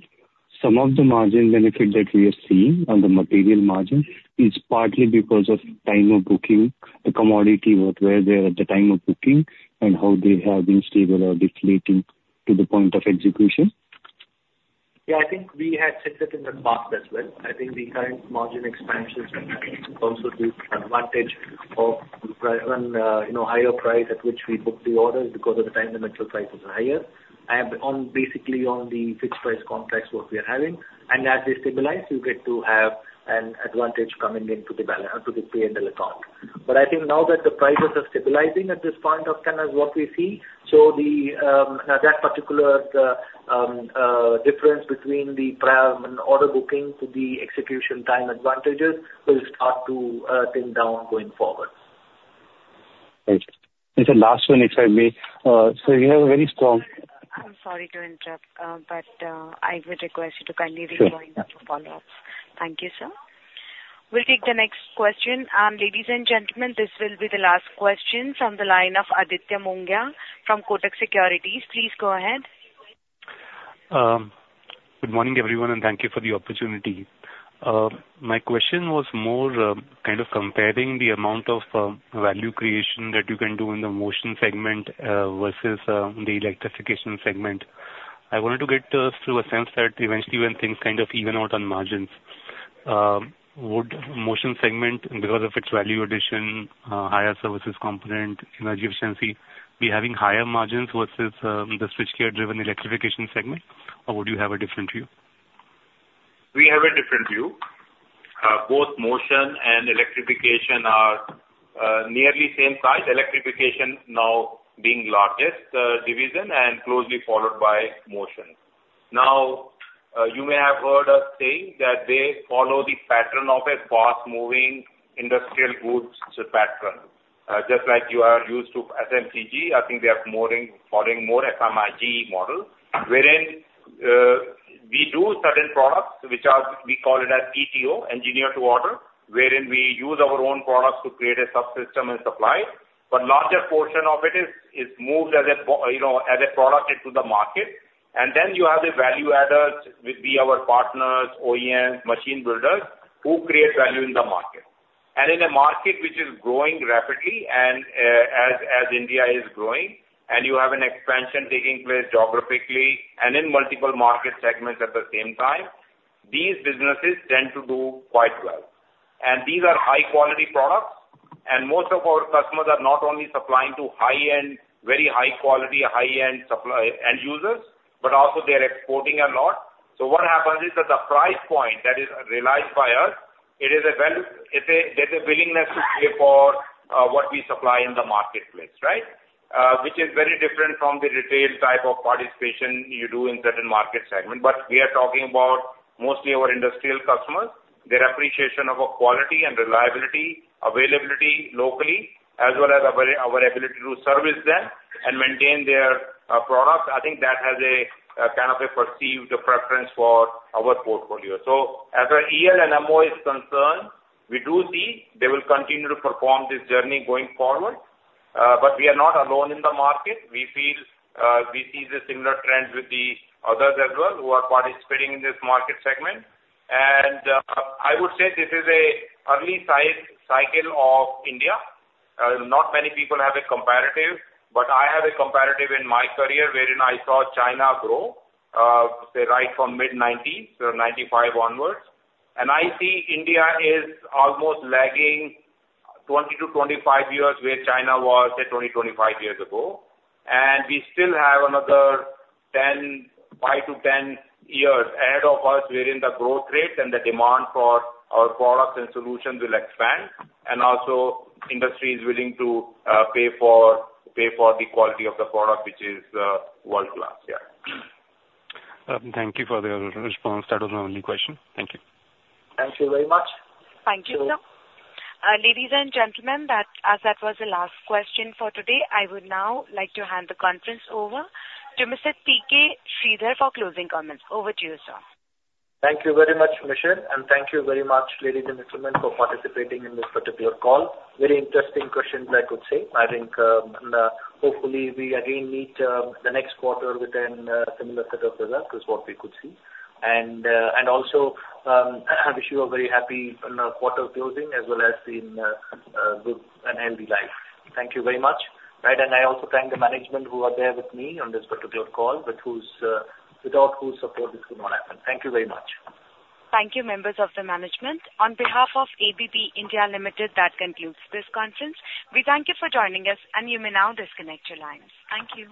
some of the margin benefit that we are seeing on the material margin is partly because of time of booking, the commodity, what were there at the time of booking, and how they have been stable or deflating to the point of execution? Yeah, I think we had said that in the past as well. I think the current margin expansions also give advantage of price on, you know, higher price at which we book the orders because of the time the material prices are higher, and on basically on the fixed price contracts what we are having. And as they stabilize, you get to have an advantage coming into the P&L account. But I think now that the prices are stabilizing at this point of time, as what we see, so that particular difference between the order booking to the execution time advantages will start to thin down going forward. Thank you. It's the last one, if I may. So you have a very strong- I'm sorry to interrupt, but I would request you to kindly join up for follow-ups. Thank you, sir. We'll take the next question. Ladies and gentlemen, this will be the last question from the line of Aditya Mongia from Kotak Securities. Please go ahead. Good morning, everyone, and thank you for the opportunity. My question was more kind of comparing the amount of value creation that you can do in the motion segment versus the electrification segment. I wanted to get a sense that eventually when things kind of even out on margins, would motion segment, because of its value addition, higher services component, energy efficiency, be having higher margins versus the switchgear-driven electrification segment, or would you have a different view? We have a different view. Both motion and electrification are nearly same size. Electrification now being largest division and closely followed by motion. Now, you may have heard us saying that they follow the pattern of a fast-moving industrial goods pattern. Just like you are used to FMCG, I think they are more in, following more FMIG model. Wherein, we do certain products which are, we call it as ETO, engineer to order, wherein we use our own products to create a subsystem and supply. But larger portion of it is moved as, you know, as a product into the market. And then you have the value adders, would be our partners, OEMs, machine builders, who create value in the market. In a market which is growing rapidly and, as India is growing, and you have an expansion taking place geographically and in multiple market segments at the same time, these businesses tend to do quite well. These are high quality products, and most of our customers are not only supplying to high-end, very high quality, high-end supply end users, but also they are exporting a lot. So what happens is that the price point that is realized by us, it is well, there's a willingness to pay for what we supply in the marketplace, right? Which is very different from the retail type of participation you do in certain market segment. But we are talking about mostly our industrial customers, their appreciation of our quality and reliability, availability locally, as well as our, our ability to service them and maintain their, products. I think that has a, kind of a perceived preference for our portfolio. So as a EL and MO is concerned, we do see they will continue to perform this journey going forward. But we are not alone in the market. We feel, we see the similar trends with the others as well, who are participating in this market segment. And, I would say this is a early size cycle of India. Not many people have a comparative, but I have a comparative in my career wherein I saw China grow, say, right from mid-1990s, so 1995 onwards. I see India is almost lagging 20-25 years where China was, say, 20-25 years ago. And we still have another 10, 5-10 years ahead of us, wherein the growth rates and the demand for our products and solutions will expand, and also industry is willing to pay for, pay for the quality of the product, which is world-class. Yeah. Thank you for the response. That was my only question. Thank you. Thank you very much. Thank you, sir. Ladies and gentlemen, that, as that was the last question for today, I would now like to hand the conference over to Mr. T.K. Sridhar for closing comments. Over to you, sir. Thank you very much, Michelle, and thank you very much, ladies and gentlemen, for participating in this particular call. Very interesting questions, I could say. I think, hopefully, we again meet, the next quarter with an, similar set of results, is what we could see. And, and also, I wish you a very happy, quarter closing, as well as in, good and healthy life. Thank you very much. Right, and I also thank the management who are there with me on this particular call, but whose, without whose support this would not happen. Thank you very much. Thank you, members of the management. On behalf of ABB India Limited, that concludes this conference. We thank you for joining us, and you may now disconnect your lines. Thank you.